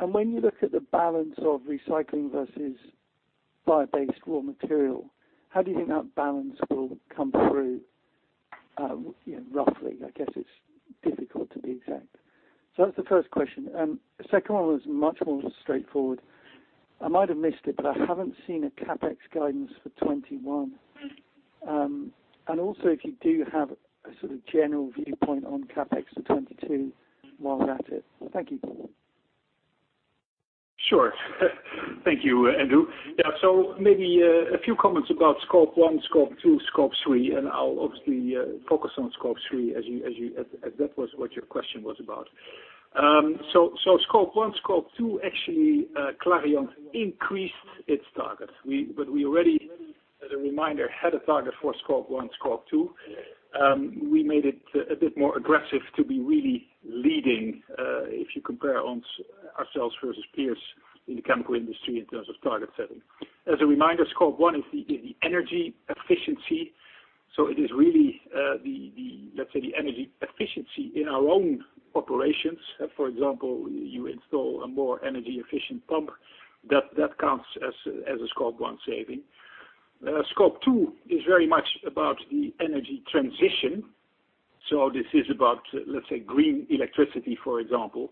When you look at the balance of recycling versus bio-based raw material, how do you think that balance will come through roughly? I guess it's difficult to be exact. That's the 1st question. 2nd one was much more straightforward. I might have missed it, but I haven't seen a CapEx guidance for 2021. Also, if you do have a sort of general viewpoint on CapEx for 2022 while we're at it. Thank you. Sure. Thank you, Andrew. Yeah. Maybe a few comments about Scope 1, Scope 2, Scope 3, and I’ll obviously focus on Scope 3, as that was what your question was about. Scope 1, Scope 2, actually, Clariant increased its target. We already, as a reminder, had a target for Scope 1, Scope 2. We made it a bit more aggressive to be really leading, if you compare ourselves versus peers in the chemical industry in terms of target setting. As a reminder, Scope 1 is the energy efficiency. It is really, let’s say, the energy efficiency in our own operations. For example, you install a more energy-efficient pump. That counts as a Scope 1 saving. Scope 2 is very much about the energy transition. This is about, let’s say, green electricity, for example.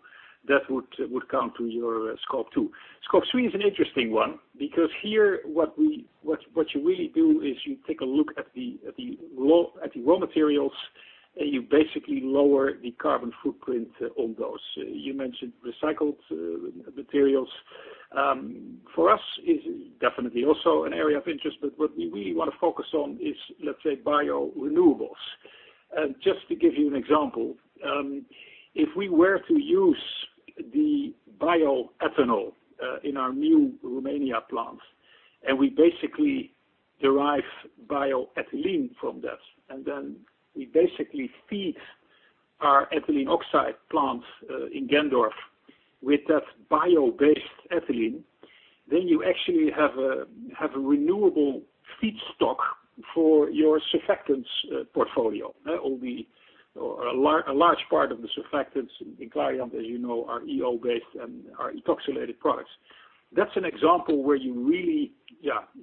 That would count to your Scope 2. Scope 3 is an interesting one because here, what you really do is you take a look at the raw materials, and you basically lower the carbon footprint on those. You mentioned recycled materials. For us, it is definitely also an area of interest, but what we really want to focus on is, let's say, bio renewables. Just to give you an example, if we were to use the bioethanol in our new Romania plant, and we basically derive bioethylene from that, and then we basically feed our ethylene oxide plant in Gendorf with that bio-based ethylene, then you actually have a renewable feedstock for your surfactants portfolio. A large part of the surfactants in Clariant, as you know, are EO-based and are ethoxylated products. That's an example where you really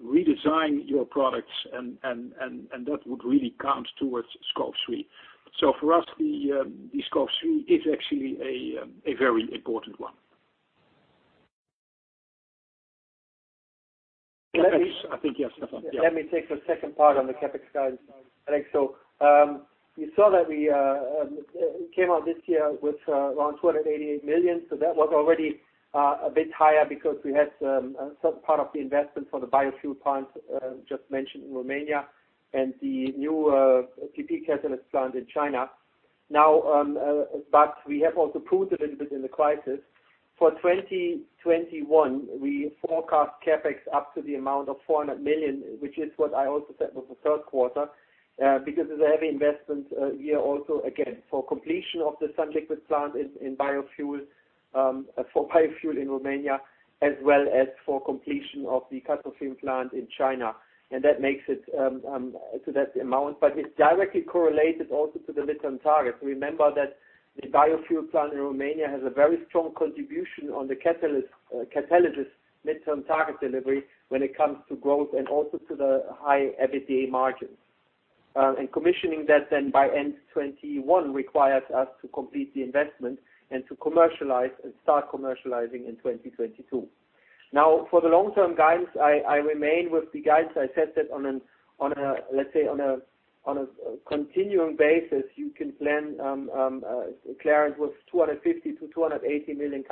redesign your products, and that would really count towards Scope 3. For us, the Scope 3 is actually a very important one. I think, yes, Stephan. Yeah. Let me take the 2nd part on the CapEx guide, Alex. You saw that we came out this year with around 288 million. That was already a bit higher because we had some part of the investment for the biofuel plant just mentioned in Romania and the new propylene catalyst plant in China. We have also proved a little bit in the crisis. For 2021, we forecast CapEx up to the amount of 400 million, which is what I also said was the third quarter, because of the heavy investment year also, again, for completion of the sunliquid plant in biofuels for biofuel in Romania, as well as for completion of the CATOFIN plant in China. That makes it to that amount. It directly correlates also to the midterm target. Remember that the biofuel plant in Romania has a very strong contribution on the Catalysis midterm target delivery when it comes to growth and also to the high EBITDA margins. Commissioning that then by end 2021 requires us to complete the investment and to commercialize and start commercializing in 2022. Now, for the long-term guidance, I remain with the guidance. I said that on a continuing basis, you can plan Clariant with 250 million-280 million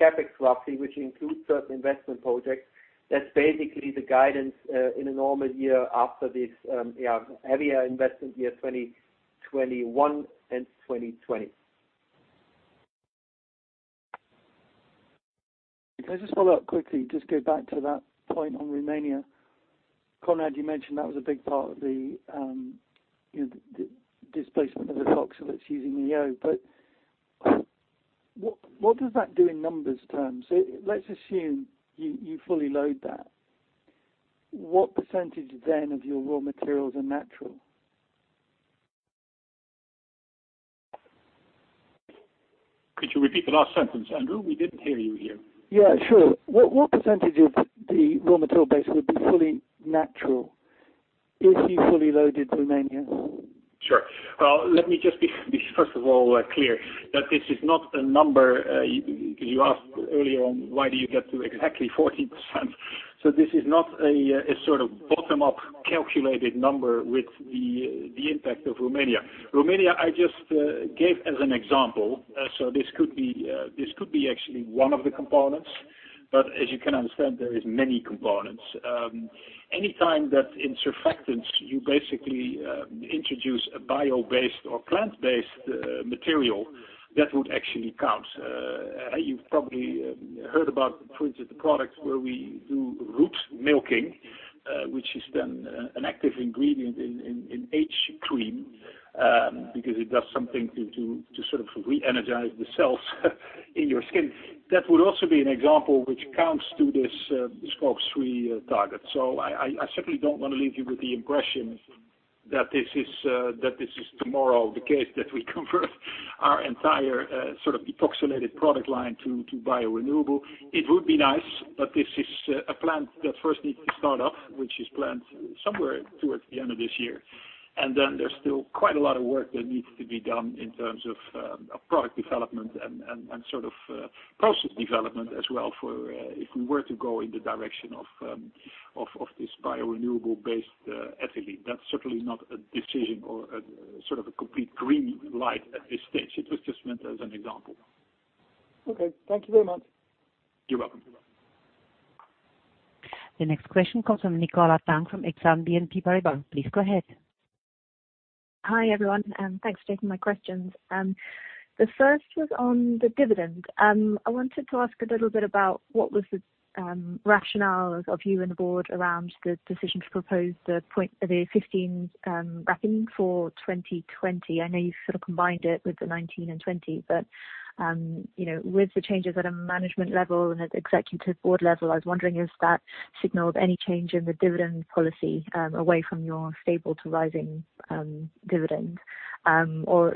CapEx, roughly, which includes certain investment projects. That's basically the guidance in a normal year after this heavier investment year 2021 and 2020. Can I just follow up quickly? Just go back to that point on Romania. Conrad, you mentioned that was a big part of the displacement of ethoxylate using EO, but what does that do in numbers terms? Let's assume you fully load that. What percentage then of your raw materials are natural? Could you repeat the last sentence, Andrew? We didn't hear you here. Yeah, sure. What percentage of the raw material base would be fully natural if you fully loaded Romania? Sure. Well, let me just be, first of all, clear that this is not a number. You asked earlier on, why do you get to exactly 40%? This is not a sort of bottom-up calculated number with the impact of Romania. Romania, I just gave as an example. This could be actually one of the components. As you can understand, there are many components. Anytime that in surfactants, you basically introduce a bio-based or plant-based material, that would actually count. You've probably heard about, for instance, the products where we do root milking, which is then an active ingredient in age cream, because it does something to sort of reenergize the cells in your skin. That would also be an example which counts to this Scope 3 target. I certainly don't want to leave you with the impression that this is tomorrow the case that we convert our entire ethoxylated product line to bio-renewable. It would be nice, but this is a plant that first needs to start up, which is planned somewhere towards the end of this year. Then there's still quite a lot of work that needs to be done in terms of product development and process development as well if we were to go in the direction of this bio-renewable based ethylene. That's certainly not a decision or a complete green light at this stage. It was just meant as an example. Okay. Thank you very much. You're welcome. The next question comes from Nicola Tang from Exane BNP Paribas. Please go ahead. Hi, everyone, thanks for taking my questions. The 1st was on the dividend. I wanted to ask a little bit about what was the rationale of you and the board around the decision to propose the 0.15 for 2020. I know you sort of combined it with the 2019 and 2020, with the changes at a management level and at executive board level, I was wondering if that signaled any change in the dividend policy away from your stable to rising dividend.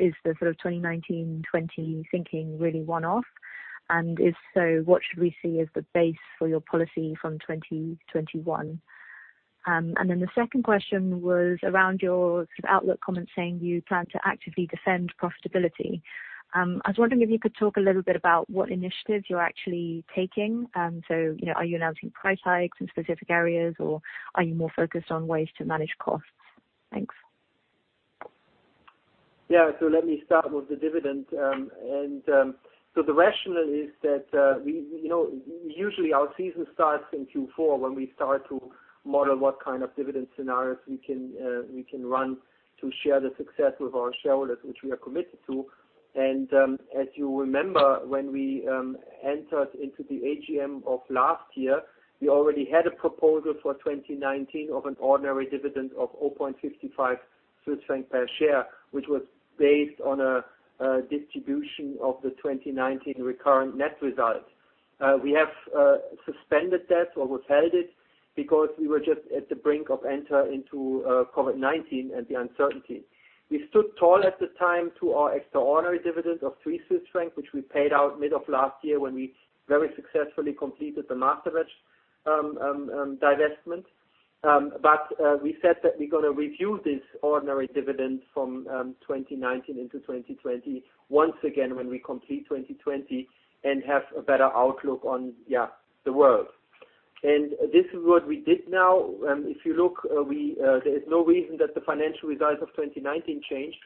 Is the sort of 2019-2020 thinking really one-off? If so, what should we see as the base for your policy from 2021? The 2nd question was around your sort of outlook comment saying you plan to actively defend profitability. I was wondering if you could talk a little bit about what initiatives you're actually taking. Are you announcing price hikes in specific areas, or are you more focused on ways to manage costs? Thanks. Let me start with the dividend. The rationale is that, usually our season starts in Q4 when we start to model what kind of dividend scenarios we can run to share the success with our shareholders, which we are committed to. As you remember, when we entered into the AGM of last year, we already had a proposal for 2019 of an ordinary dividend of 0.55 Swiss franc per share, which was based on a distribution of the 2019 recurrent net results. We have suspended that or withheld it because we were just at the brink of enter into COVID-19 and the uncertainty. We stood tall at the time to our extraordinary dividend of 3 Swiss francs, which we paid out mid of last year when we very successfully completed the Masterbatch divestment. We said that we're going to review this ordinary dividend from 2019 into 2020 once again when we complete 2020 and have a better outlook on, yeah, the world. This is what we did now. If you look, there is no reason that the financial results of 2019 changed.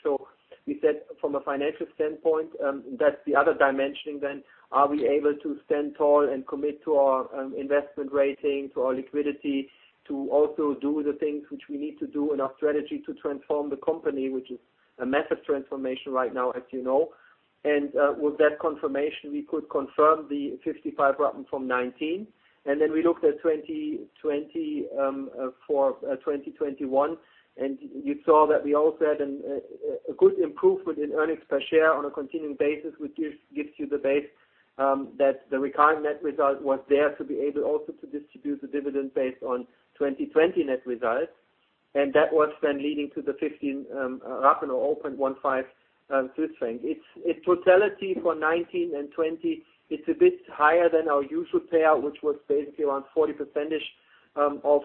We said from a financial standpoint, that's the other dimensioning then. Are we able to stand tall and commit to our investment rating, to our liquidity, to also do the things which we need to do in our strategy to transform the company, which is a massive transformation right now, as you know. With that confirmation, we could confirm the 0.55 from 2019. Then we looked at 2020, for 2021, and you saw that we also had a good improvement in earnings per share on a continuing basis, which gives you the base, that the recurrent net result was there to be able also to distribute the dividend based on 2020 net results. That was then leading to the 0.15 or CHF 0.15. In totality for 2019 and 2020, it's a bit higher than our usual payout, which was basically around 40% of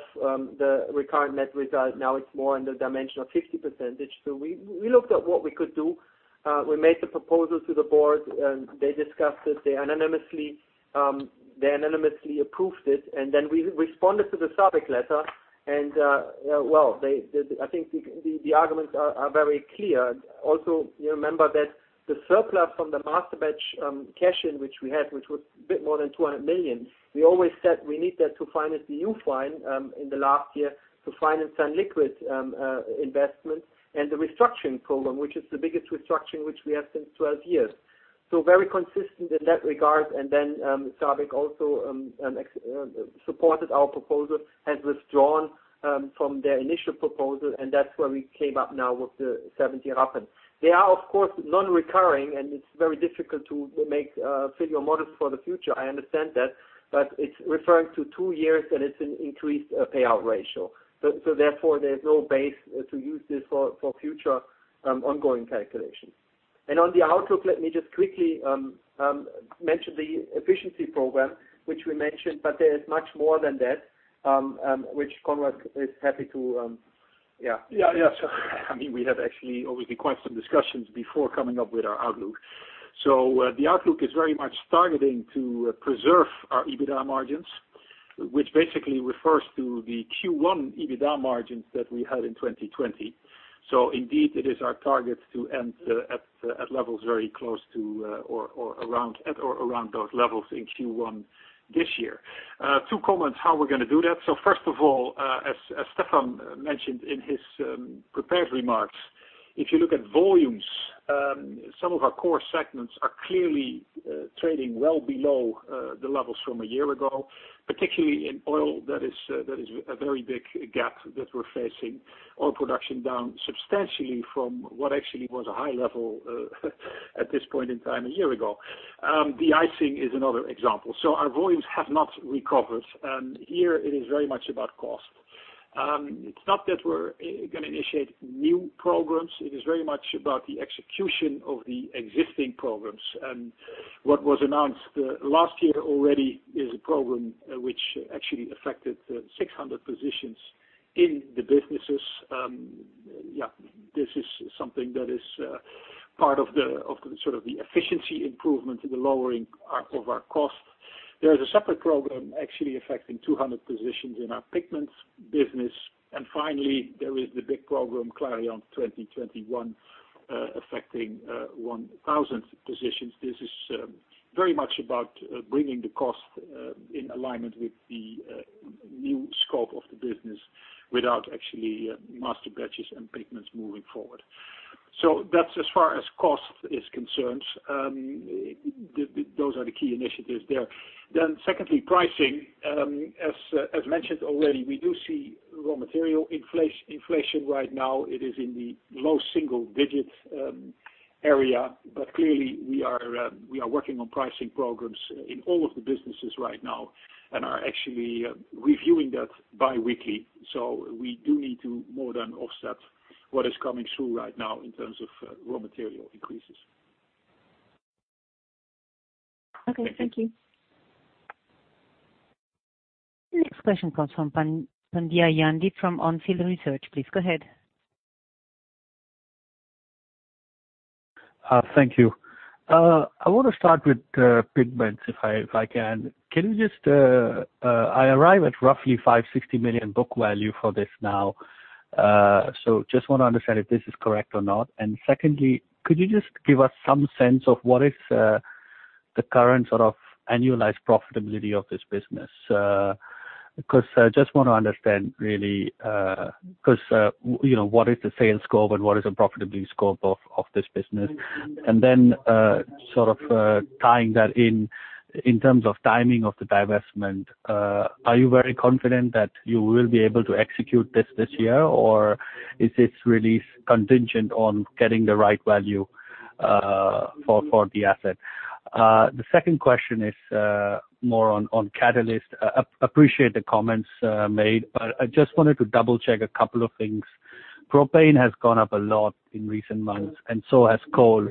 the recurrent net result. Now it's more in the dimension of 50%. We looked at what we could do. We made the proposal to the board, and they discussed it. They unanimously approved it, and then we responded to the SABIC letter and, well, I think the arguments are very clear. You remember that the surplus from the Masterbatches cash-in which we had, which was a bit more than 200 million. We always said we need that to finance the EU fine in the last year, to finance sunliquid investment and the restructuring program, which is the biggest restructuring which we have seen 12 years. Very consistent in that regard. SABIC also supported our proposal, has withdrawn from their initial proposal, and that's where we came up now with the 0.70. They are, of course, non-recurring, and it's very difficult to make figure models for the future. I understand that, but it's referring to two years, and it's an increased payout ratio. Therefore, there's no base to use this for future ongoing calculations. On the outlook, let me just quickly mention the efficiency program, which we mentioned, but there is much more than that, which Conrad is happy to. Yeah. I mean, we have actually already quite some discussions before coming up with our outlook. The outlook is very much targeting to preserve our EBITDA margins, which basically refers to the Q1 EBITDA margins that we had in 2020. Indeed it is our target to end at levels very close to or around those levels in Q1 this year. Two comments how we're going to do that. First of all, as Stephan mentioned in his prepared remarks. If you look at volumes, some of our core segments are clearly trading well below the levels from a year ago, particularly in oil. That is a very big gap that we're facing. Oil production down substantially from what actually was a high level at this point in time a year ago. De-icing is another example. Our volumes have not recovered, and here it is very much about cost. It's not that we're going to initiate new programs. It is very much about the execution of the existing programs. What was announced last year already is a program which actually affected 600 positions in the businesses. This is something that is part of the efficiency improvement in the lowering of our cost. There is a separate program actually affecting 200 positions in our Pigments business. Finally, there is the big program, Clariant 2021, affecting 1,000 positions. This is very much about bringing the cost in alignment with the new scope of the business without actually Masterbatches and Pigments moving forward. That's as far as cost is concerned. Those are the key initiatives there. Secondly, pricing. As mentioned already, we do see raw material inflation right now. It is in the low single-digit area. Clearly, we are working on pricing programs in all of the businesses right now and are actually reviewing that biweekly. We do need to more than offset what is coming through right now in terms of raw material increases. Okay. Thank you. The next question comes from Pandya Jaideep from On Field Investment Research. Please go ahead. Thank you. I want to start with Pigments, if I can. I arrive at roughly 560 million book value for this now. Just want to understand if this is correct or not. Secondly, could you just give us some sense of what is the current sort of annualized profitability of this business? I just want to understand really, what is the sales scope and what is the profitability scope of this business? Then, sort of tying that in terms of timing of the divestment, are you very confident that you will be able to execute this this year, or is this really contingent on getting the right value for the asset? The 2nd question is more on Catalysis. Appreciate the comments made, but I just wanted to double-check a couple of things. Propane has gone up a lot in recent months, and so has coal.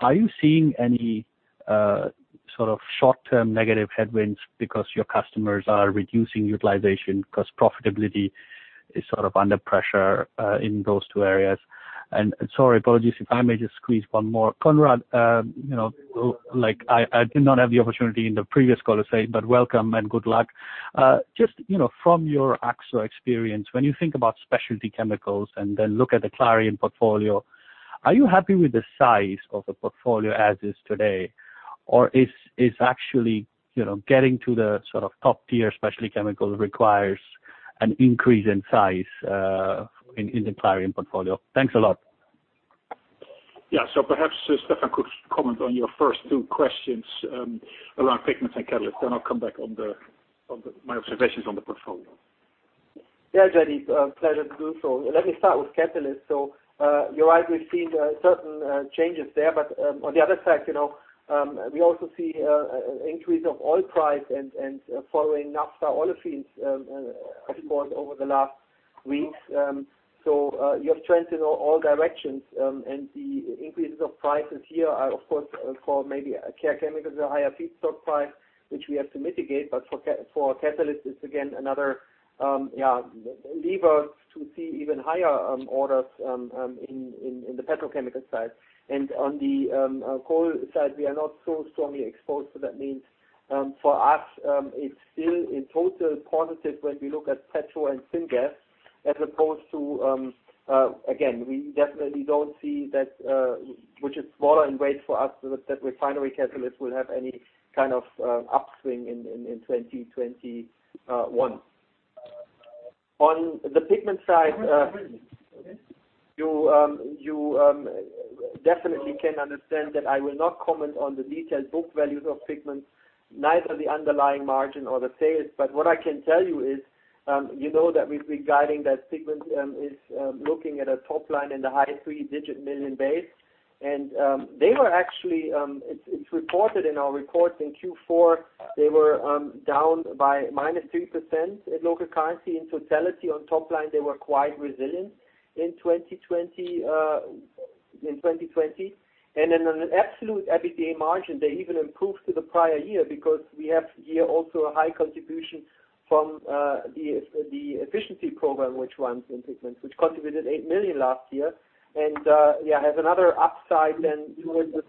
Are you seeing any sort of short-term negative headwinds because your customers are reducing utilization because profitability is sort of under pressure in those two areas? Sorry, apologies, if I may just squeeze one more. Conrad, I did not have the opportunity in the previous call to say, but welcome and good luck. Just from your AkzoNobel experience, when you think about specialty chemicals and then look at the Clariant portfolio, are you happy with the size of the portfolio as is today, or is actually getting to the sort of top-tier specialty chemicals requires an increase in size in the Clariant portfolio? Thanks a lot. Yeah. Perhaps Stephan could comment on your first two questions around Pigments and Catalysis. I'll come back on my observations on the portfolio. Yeah, Jaideep, pleasure to do so. Let me start with Catalyst. You're right, we've seen certain changes there. On the other side, we also see an increase of oil price and following naphtha olefins, of course, over the last weeks. You have trends in all directions, and the increases of prices here are, of course, for maybe Care Chemicals, a higher feedstock price, which we have to mitigate. For Catalyst, it's again, another lever to see even higher orders in the petrochemical side. On the coal side, we are not so strongly exposed. That means, for us, it's still in total positive when we look at petro and syngas, as opposed to, again, we definitely don't see that, which is smaller in weight for us, that refinery catalysts will have any kind of upswing in 2021. On the Pigments side, you definitely can understand that I will not comment on the detailed book values of Pigments, neither the underlying margin or the sales. What I can tell you is, you know that we've been guiding that Pigments is looking at a top line in the high three-digit million base. They were actually, it's reported in our reports in Q4, they were down by -3% in local currency. In totality on top line, they were quite resilient in 2020. In an absolute EBITDA margin, they even improved to the prior year because we have here also a high contribution from the efficiency program which runs in Pigments, which contributed 8 million last year. Yeah, has another upside then towards the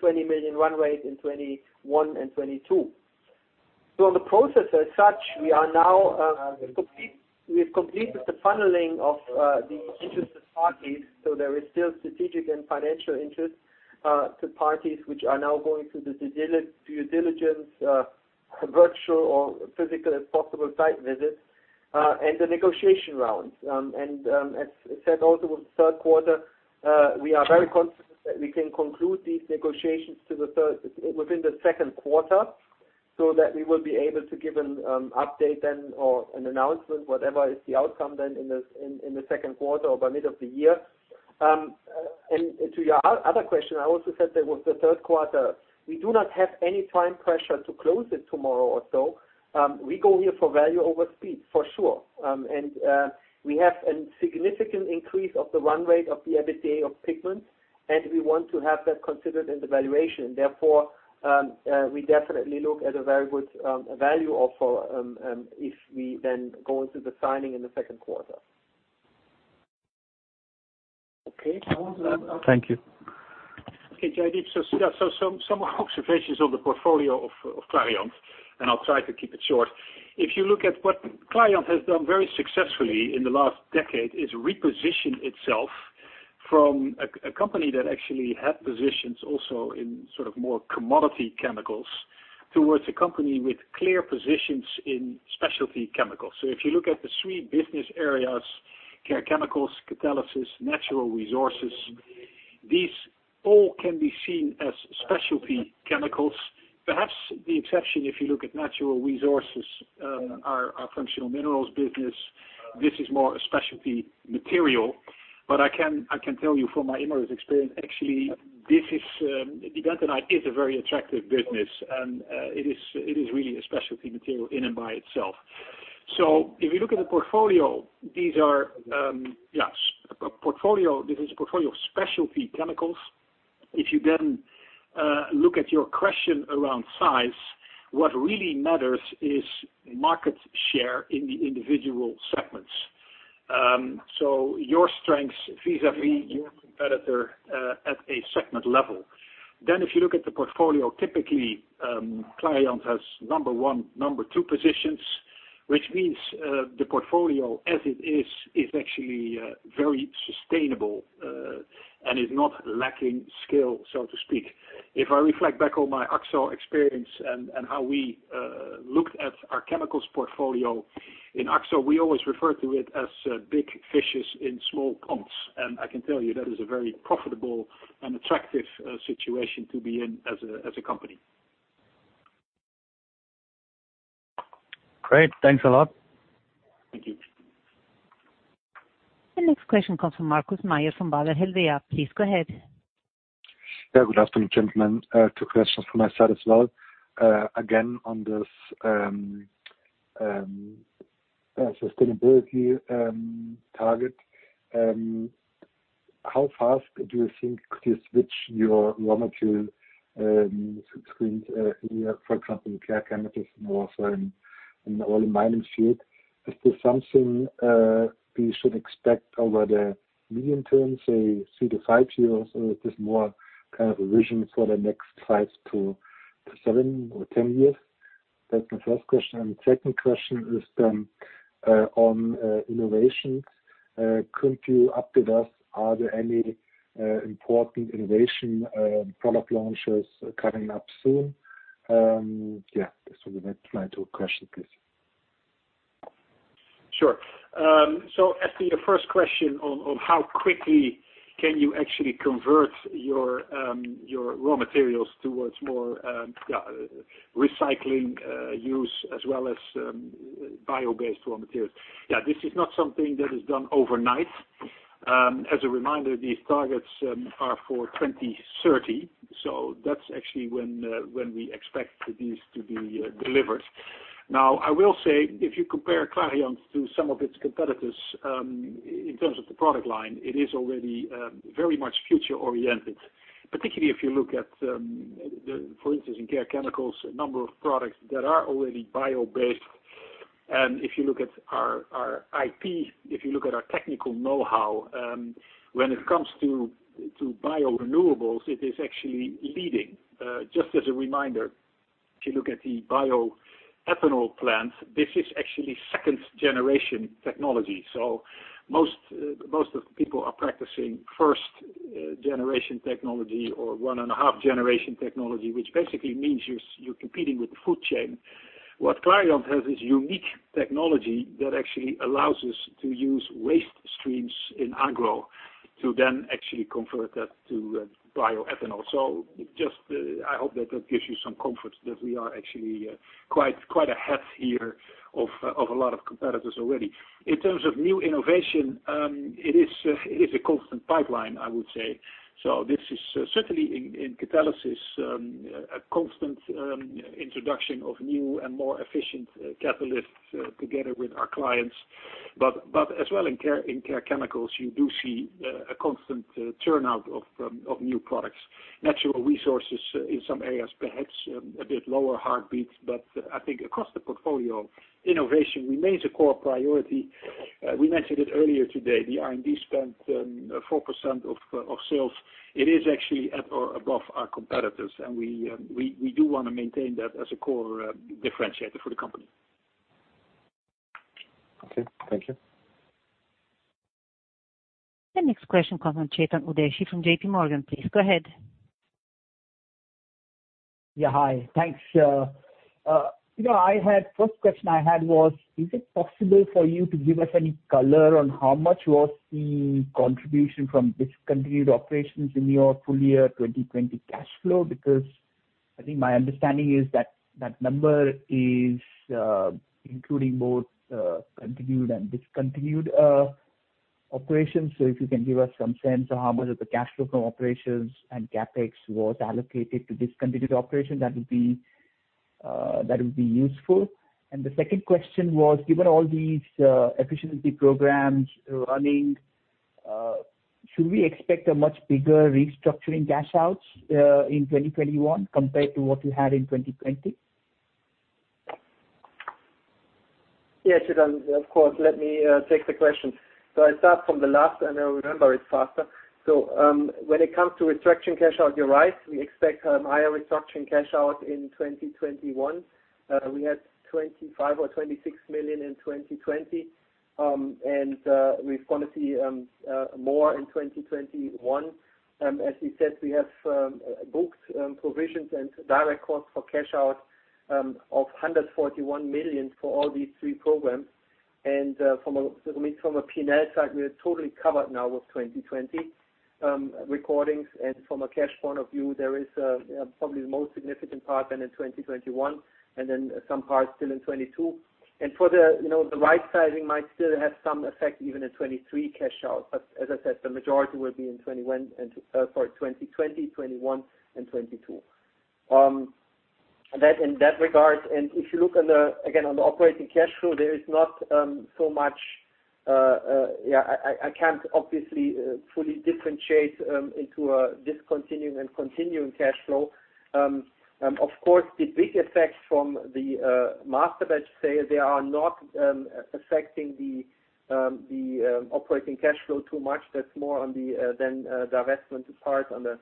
20 million run rate in 2021 and 2022. On the process as such, we've completed the funneling of the interested parties. There is still strategic and financial interest to parties which are now going through the due diligence, virtual or physical, if possible, site visits, and the negotiation rounds. As I said also with the third quarter, we are very confident that we can conclude these negotiations within the second quarter, so that we will be able to give an update then or an announcement, whatever is the outcome then in the second quarter or by mid of the year. To your other question, I also said that with the third quarter, we do not have any time pressure to close it tomorrow or so. We go here for value over speed, for sure. We have a significant increase of the run rate of the EBITDA of Pigments, and we want to have that considered in the valuation. We definitely look at a very good value offer, if we then go into the signing in the second quarter. Okay. Thank you. Okay, Jaideep. Some observations on the portfolio of Clariant, and I'll try to keep it short. If you look at what Clariant has done very successfully in the last decade is reposition itself from a company that actually had positions also in more commodity chemicals, towards a company with clear positions in specialty chemicals. If you look at the three business areas, Care Chemicals, Catalysis, Natural Resources, these all can be seen as specialty chemicals. Perhaps the exception, if you look at Natural Resources, our Functional Minerals business. This is more a specialty material. I can tell you from my Imerys experience, actually, diatomite is a very attractive business, and it is really a specialty material in and by itself. If you look at the portfolio, this is a portfolio of specialty chemicals. If you look at your question around size, what really matters is market share in the individual segments. Your strengths vis-à-vis your competitor at a segment level. If you look at the portfolio, typically, Clariant has number one, number two positions, which means the portfolio as it is actually very sustainable, and is not lacking scale, so to speak. If I reflect back on my Akzo experience and how we looked at our chemicals portfolio in Akzo, we always refer to it as big fishes in small ponds. I can tell you that is a very profitable and attractive situation to be in as a company. Great. Thanks a lot. Thank you. The next question comes from Markus Mayer from Baader Helvea. Please go ahead. Yeah, good afternoon, gentlemen. Two questions from my side as well. Again, on this sustainability target, how fast do you think could you switch your raw material screens, for example, in Care Chemicals and also in the oil mining field? Is this something we should expect over the medium term, say two to five years? Or is this more kind of a vision for the next 5-10 years? That's my first question. The second question is on innovations. Could you update us, are there any important innovation product launches coming up soon? Yeah. Those were my two questions, please. Sure. As to your first question on how quickly can you actually convert your raw materials towards more recycling use as well as bio-based raw materials. Yeah, this is not something that is done overnight. As a reminder, these targets are for 2030, so that's actually when we expect these to be delivered. Now, I will say, if you compare Clariant to some of its competitors, in terms of the product line, it is already very much future oriented, particularly if you look at, for instance, in Care Chemicals, a number of products that are already bio-based. If you look at our IP, if you look at our technical knowhow, when it comes to bio renewables, it is actually leading. Just as a reminder, if you look at the bioethanol plant, this is actually second generation technology. Most of the people are practicing first generation technology or 1.5 generation technology, which basically means you're competing with the food chain. What Clariant has is unique technology that actually allows us to use waste streams in agro to then actually convert that to bioethanol. I hope that that gives you some comfort that we are actually quite ahead here of a lot of competitors already. In terms of new innovation, it is a constant pipeline, I would say. This is certainly in Catalysis, a constant introduction of new and more efficient catalysts together with our clients. As well, in Care Chemicals, you do see a constant turnout of new products. Natural Resources in some areas, perhaps a bit lower heartbeats, but I think across the portfolio, innovation remains a core priority. We mentioned it earlier today, the R&D spent 4% of sales. It is actually above our competitors, and we do want to maintain that as a core differentiator for the company. Okay. Thank you. The next question comes from Chetan Udeshi from JPMorgan, please go ahead. Yeah. Hi, thanks. 1st question I had was, is it possible for you to give us any color on how much was the contribution from discontinued operations in your full year 2020 cash flow? Because I think my understanding is that that number is including both continued and discontinued operations. If you can give us some sense of how much of the cash flow from operations and CapEx was allocated to discontinued operation, that would be useful. The 2nd question was, given all these efficiency programs running, should we expect a much bigger restructuring cash outs, in 2021 compared to what you had in 2020? Yeah, Chetan, of course. Let me take the question. I start from the last and I remember it faster. When it comes to restructuring cash out, you're right, we expect a higher restructuring cash out in 2021. We had 25 million or 26 million in 2020. We're going to see more in 2021. As you said, we have booked provisions and direct costs for cash out, of 141 million for all these three programs. From a P&L side, we are totally covered now with 2020 recordings. From a cash point of view, there is probably the most significant part than in 2021 and then some parts still in 2022. The right sizing might still have some effect even at 2023 cash out. As I said, the majority will be in 2020, 2021, and 2022. In that regard, and if you look again on the operating cash flow, there is not so much I can't obviously fully differentiate into a discontinuing and continuing cash flow. Of course, the big effect from the Masterbatches sale, they are not affecting the operating cash flow too much. That's more on the divestment part, on the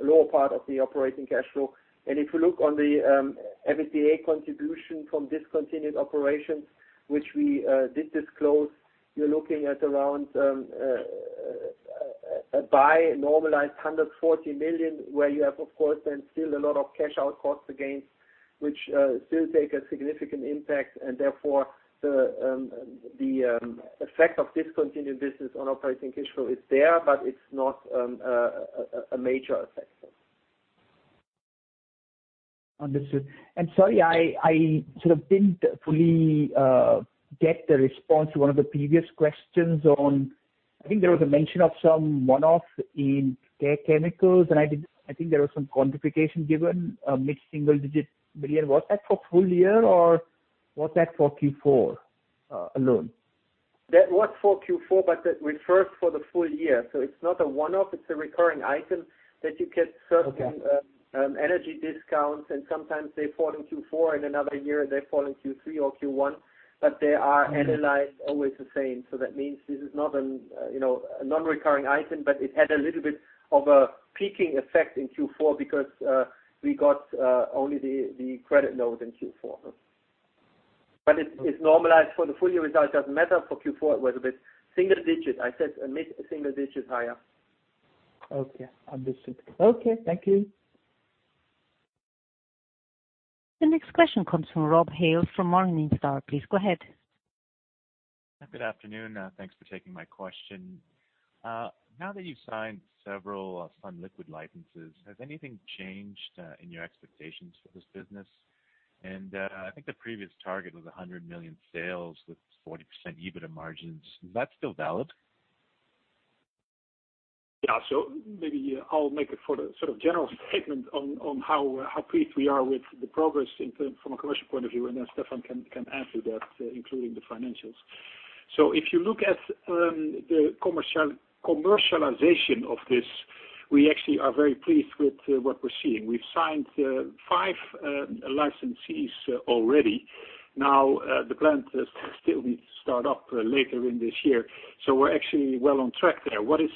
lower part of the operating cash flow. If you look on the EBITDA contribution from discontinued operations, which we did disclose, you're looking at around by normalized 140 million, where you have, of course, then still a lot of cash out costs against, which still take a significant impact. Therefore the effect of discontinued business on operating cash flow is there, but it's not a major effect. Understood. Sorry, I sort of didn't fully get the response to one of the previous questions on, I think there was a mention of some one-off in Care Chemicals, and I think there was some quantification given, mid-single digit million. Was that for full year or was that for Q4 alone? That was for Q4, but that refers for the full year. it's not a one-off, it's a recurring item that you get certain- Okay energy discounts and sometimes they fall in Q4. In another year, they fall in Q3 or Q1, but they are analyzed always the same. that means this is not a non-recurring item, but it had a little bit of a peaking effect in Q4 because, we got only the credit note in Q4. it's normalized for the full year result. Doesn't matter for Q4, it was a bit single digit, I said a mid-single digit higher. Okay. Understood. Okay. Thank you. The next question comes from Rob Hales from Morningstar. Please go ahead. Good afternoon. Thanks for taking my question. Now that you've signed several sunliquid licenses, has anything changed in your expectations for this business? I think the previous target was 100 million sales with 40% EBITDA margins. Is that still valid? Yeah. Maybe I'll make it for the sort of general statement on how pleased we are with the progress from a commercial point of view, and then Stephan can answer that, including the financials. If you look at the commercialization of this, we actually are very pleased with what we're seeing. We've signed five licensees already. Now, the plant still needs to start up later in this year. We're actually well on track there. What is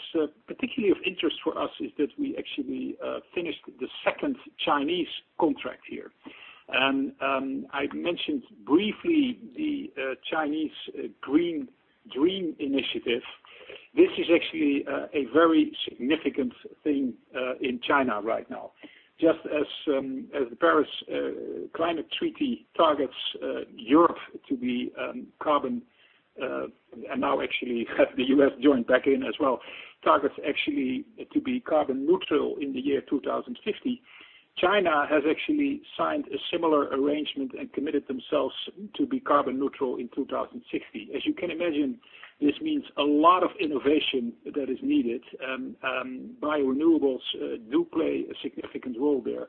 particularly of interest for us is that we actually finished the second Chinese contract here. I mentioned briefly the Chinese Green Dream Initiative. This is actually a very significant thing in China right now. Just as the Paris Climate Treaty targets Europe to be carbon, and now actually the U.S. joined back in as well, targets actually to be carbon neutral in the year 2050. China has actually signed a similar arrangement and committed themselves to be carbon neutral in 2060. As you can imagine, this means a lot of innovation that is needed. Bio renewables do play a significant role there.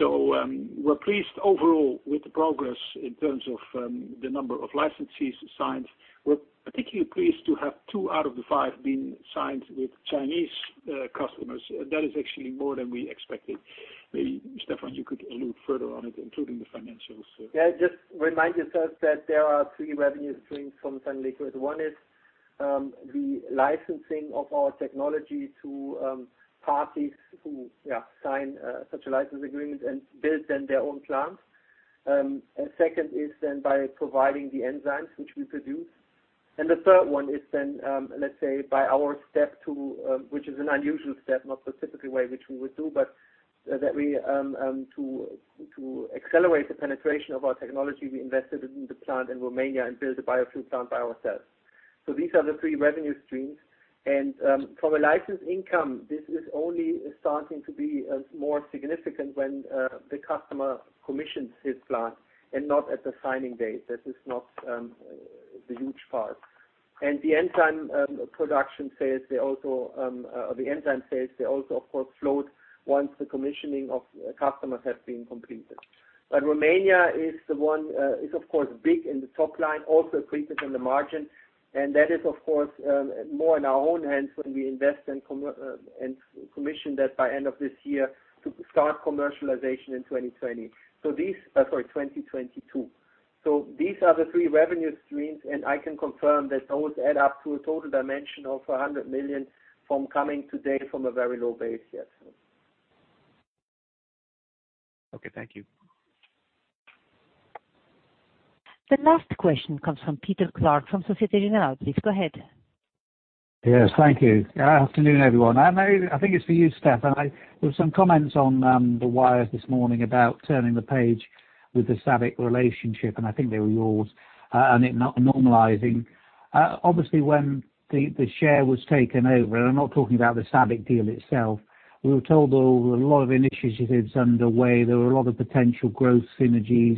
we're pleased overall with the progress in terms of the number of licensees signed. We're particularly pleased to have two out of the five been signed with Chinese customers. That is actually more than we expected. Maybe Stephan, you could allude further on it, including the financials. Yeah, just remind yourself that there are three revenue streams from sunliquid. One is the licensing of our technology to parties who sign such a license agreement and build then their own plants. 2nd is then by providing the enzymes which we produce. The 3rd one is then, let's say by our step to, which is an unusual step, not specifically way which we would do, but that we, to accelerate the penetration of our technology, we invested in the plant in Romania and built a biofuel plant by ourselves. These are the three revenue streams, and from a license income, this is only starting to be more significant when the customer commissions his plant and not at the signing date. This is not the huge part. The enzyme production phase, they also, the enzyme phase, they also of course float once the commissioning of customers has been completed. Romania is the one, is of course big in the top line, also accretive in the margin. That is of course, more in our own hands when we invest and commission that by end of this year to start commercialization in 2022. These are the three revenue streams, and I can confirm that those add up to a total dimension of 100 million from coming today from a very low base, yes. Okay, thank you. The last question comes from Peter Clark from Société Générale. Please go ahead. Yes, thank you. Afternoon, everyone. I think it's for you, Stephan. There were some comments on the wires this morning about turning the page with the SABIC relationship, and I think they were yours, and it normalizing. Obviously when the share was taken over, and I'm not talking about the SABIC deal itself. We were told there were a lot of initiatives underway. There were a lot of potential growth synergies,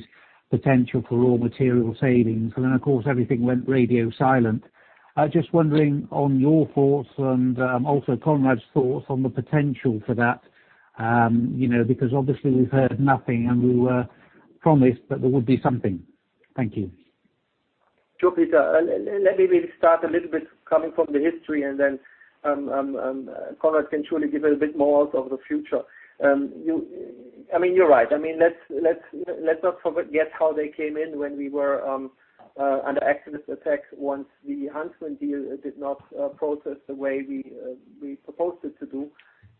potential for raw material savings, and then of course everything went radio silent. Just wondering on your thoughts and also Conrad's thoughts on the potential for that, because obviously we've heard nothing and we were promised that there would be something. Thank you. Sure, Peter, let me maybe start a little bit coming from the history and then, Conrad can surely give a bit more of the future. You're right. I mean, let's not forget how they came in when we were under activist attack once the Huntsman deal did not process the way we proposed it to do.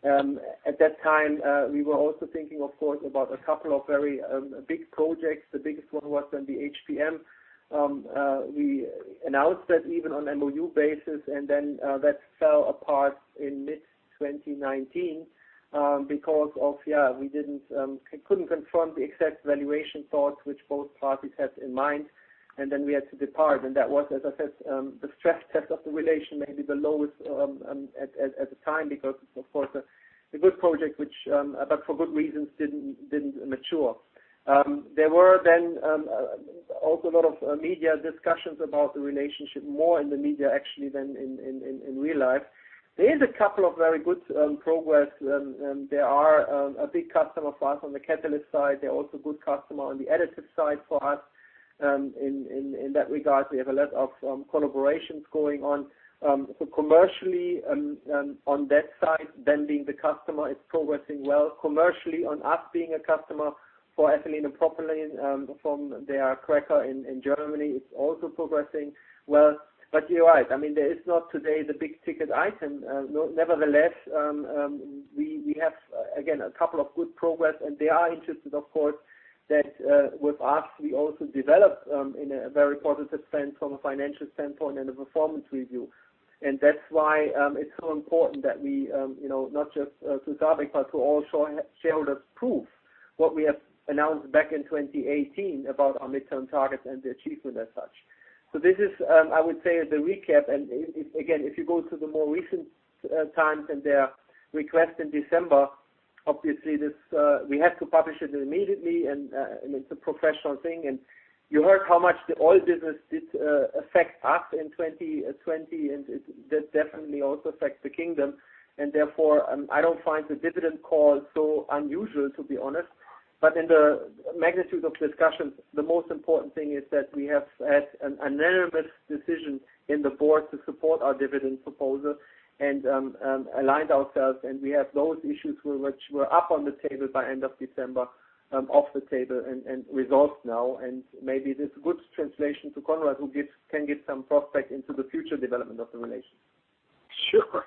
At that time, we were also thinking, of course, about a couple of very big projects. The biggest one was then the HPM. We announced that even on MOU basis, and then that fell apart in mid-2019, because of, yeah, we couldn't confirm the exact valuation thoughts which both parties had in mind, and then we had to depart. That was, as I said, the stress test of the relation, maybe the lowest at the time because, of course, a good project which, but for good reasons, didn't mature. There were then also a lot of media discussions about the relationship, more in the media actually than in real life. There is a couple of very good progress, and they are a big customer for us on the catalyst side. They're also a good customer on the additive side for us. In that regard, we have a lot of collaborations going on. Commercially, on that side, them being the customer, it's progressing well. Commercially on us being a customer for ethylene and propylene, from their cracker in Germany, it's also progressing well. You're right, there is not today the big ticket item. Nevertheless, we have, again, a couple of good progress and they are interested of course, that, with us, we also develop, in a very positive sense from a financial standpoint and a performance review. That's why it's so important that we, not just to SABIC, but to all shareholders prove what we have announced back in 2018 about our midterm targets and the achievement as such. This is, I would say, the recap and, again, if you go to the more recent times and their request in December, obviously this, we had to publish it immediately and it's a professional thing. You heard how much the oil business did affect us in 2020, and that definitely also affects the kingdom. Therefore, I don't find the dividend call so unusual, to be honest. In the magnitude of discussions, the most important thing is that we have had an unanimous decision in the board to support our dividend proposal and aligned ourselves, and we have those issues which were up on the table by end of December, off the table and resolved now. Maybe this good translation to Conrad, who can give some prospect into the future development of the relation. Sure.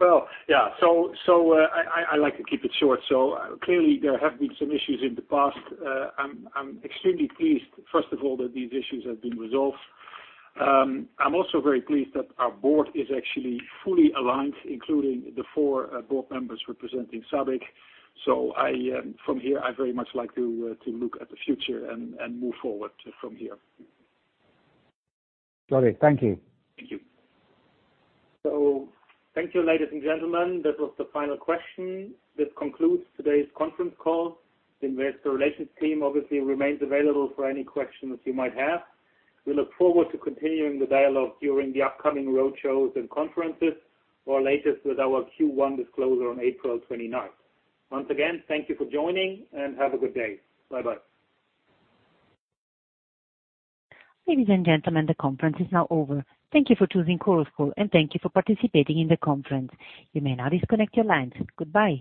Well, yeah. I like to keep it short. Clearly there have been some issues in the past. I'm extremely pleased, first of all, that these issues have been resolved. I'm also very pleased that our board is actually fully aligned, including the four board members representing SABIC. I, from here, I very much like to look at the future and move forward from here. Got it. Thank you. Thank you. Thank you, ladies and gentlemen. That was the final question. This concludes today's conference call. The investor relations team obviously remains available for any questions you might have. We look forward to continuing the dialogue during the upcoming road shows and conferences, or latest with our Q1 disclosure on April 29th. Once again, thank you for joining, and have a good day. Bye-bye. Ladies and gentlemen, the conference is now over. Thank you for choosing Chorus Call, and thank you for participating in the conference. You may now disconnect your lines. Goodbye.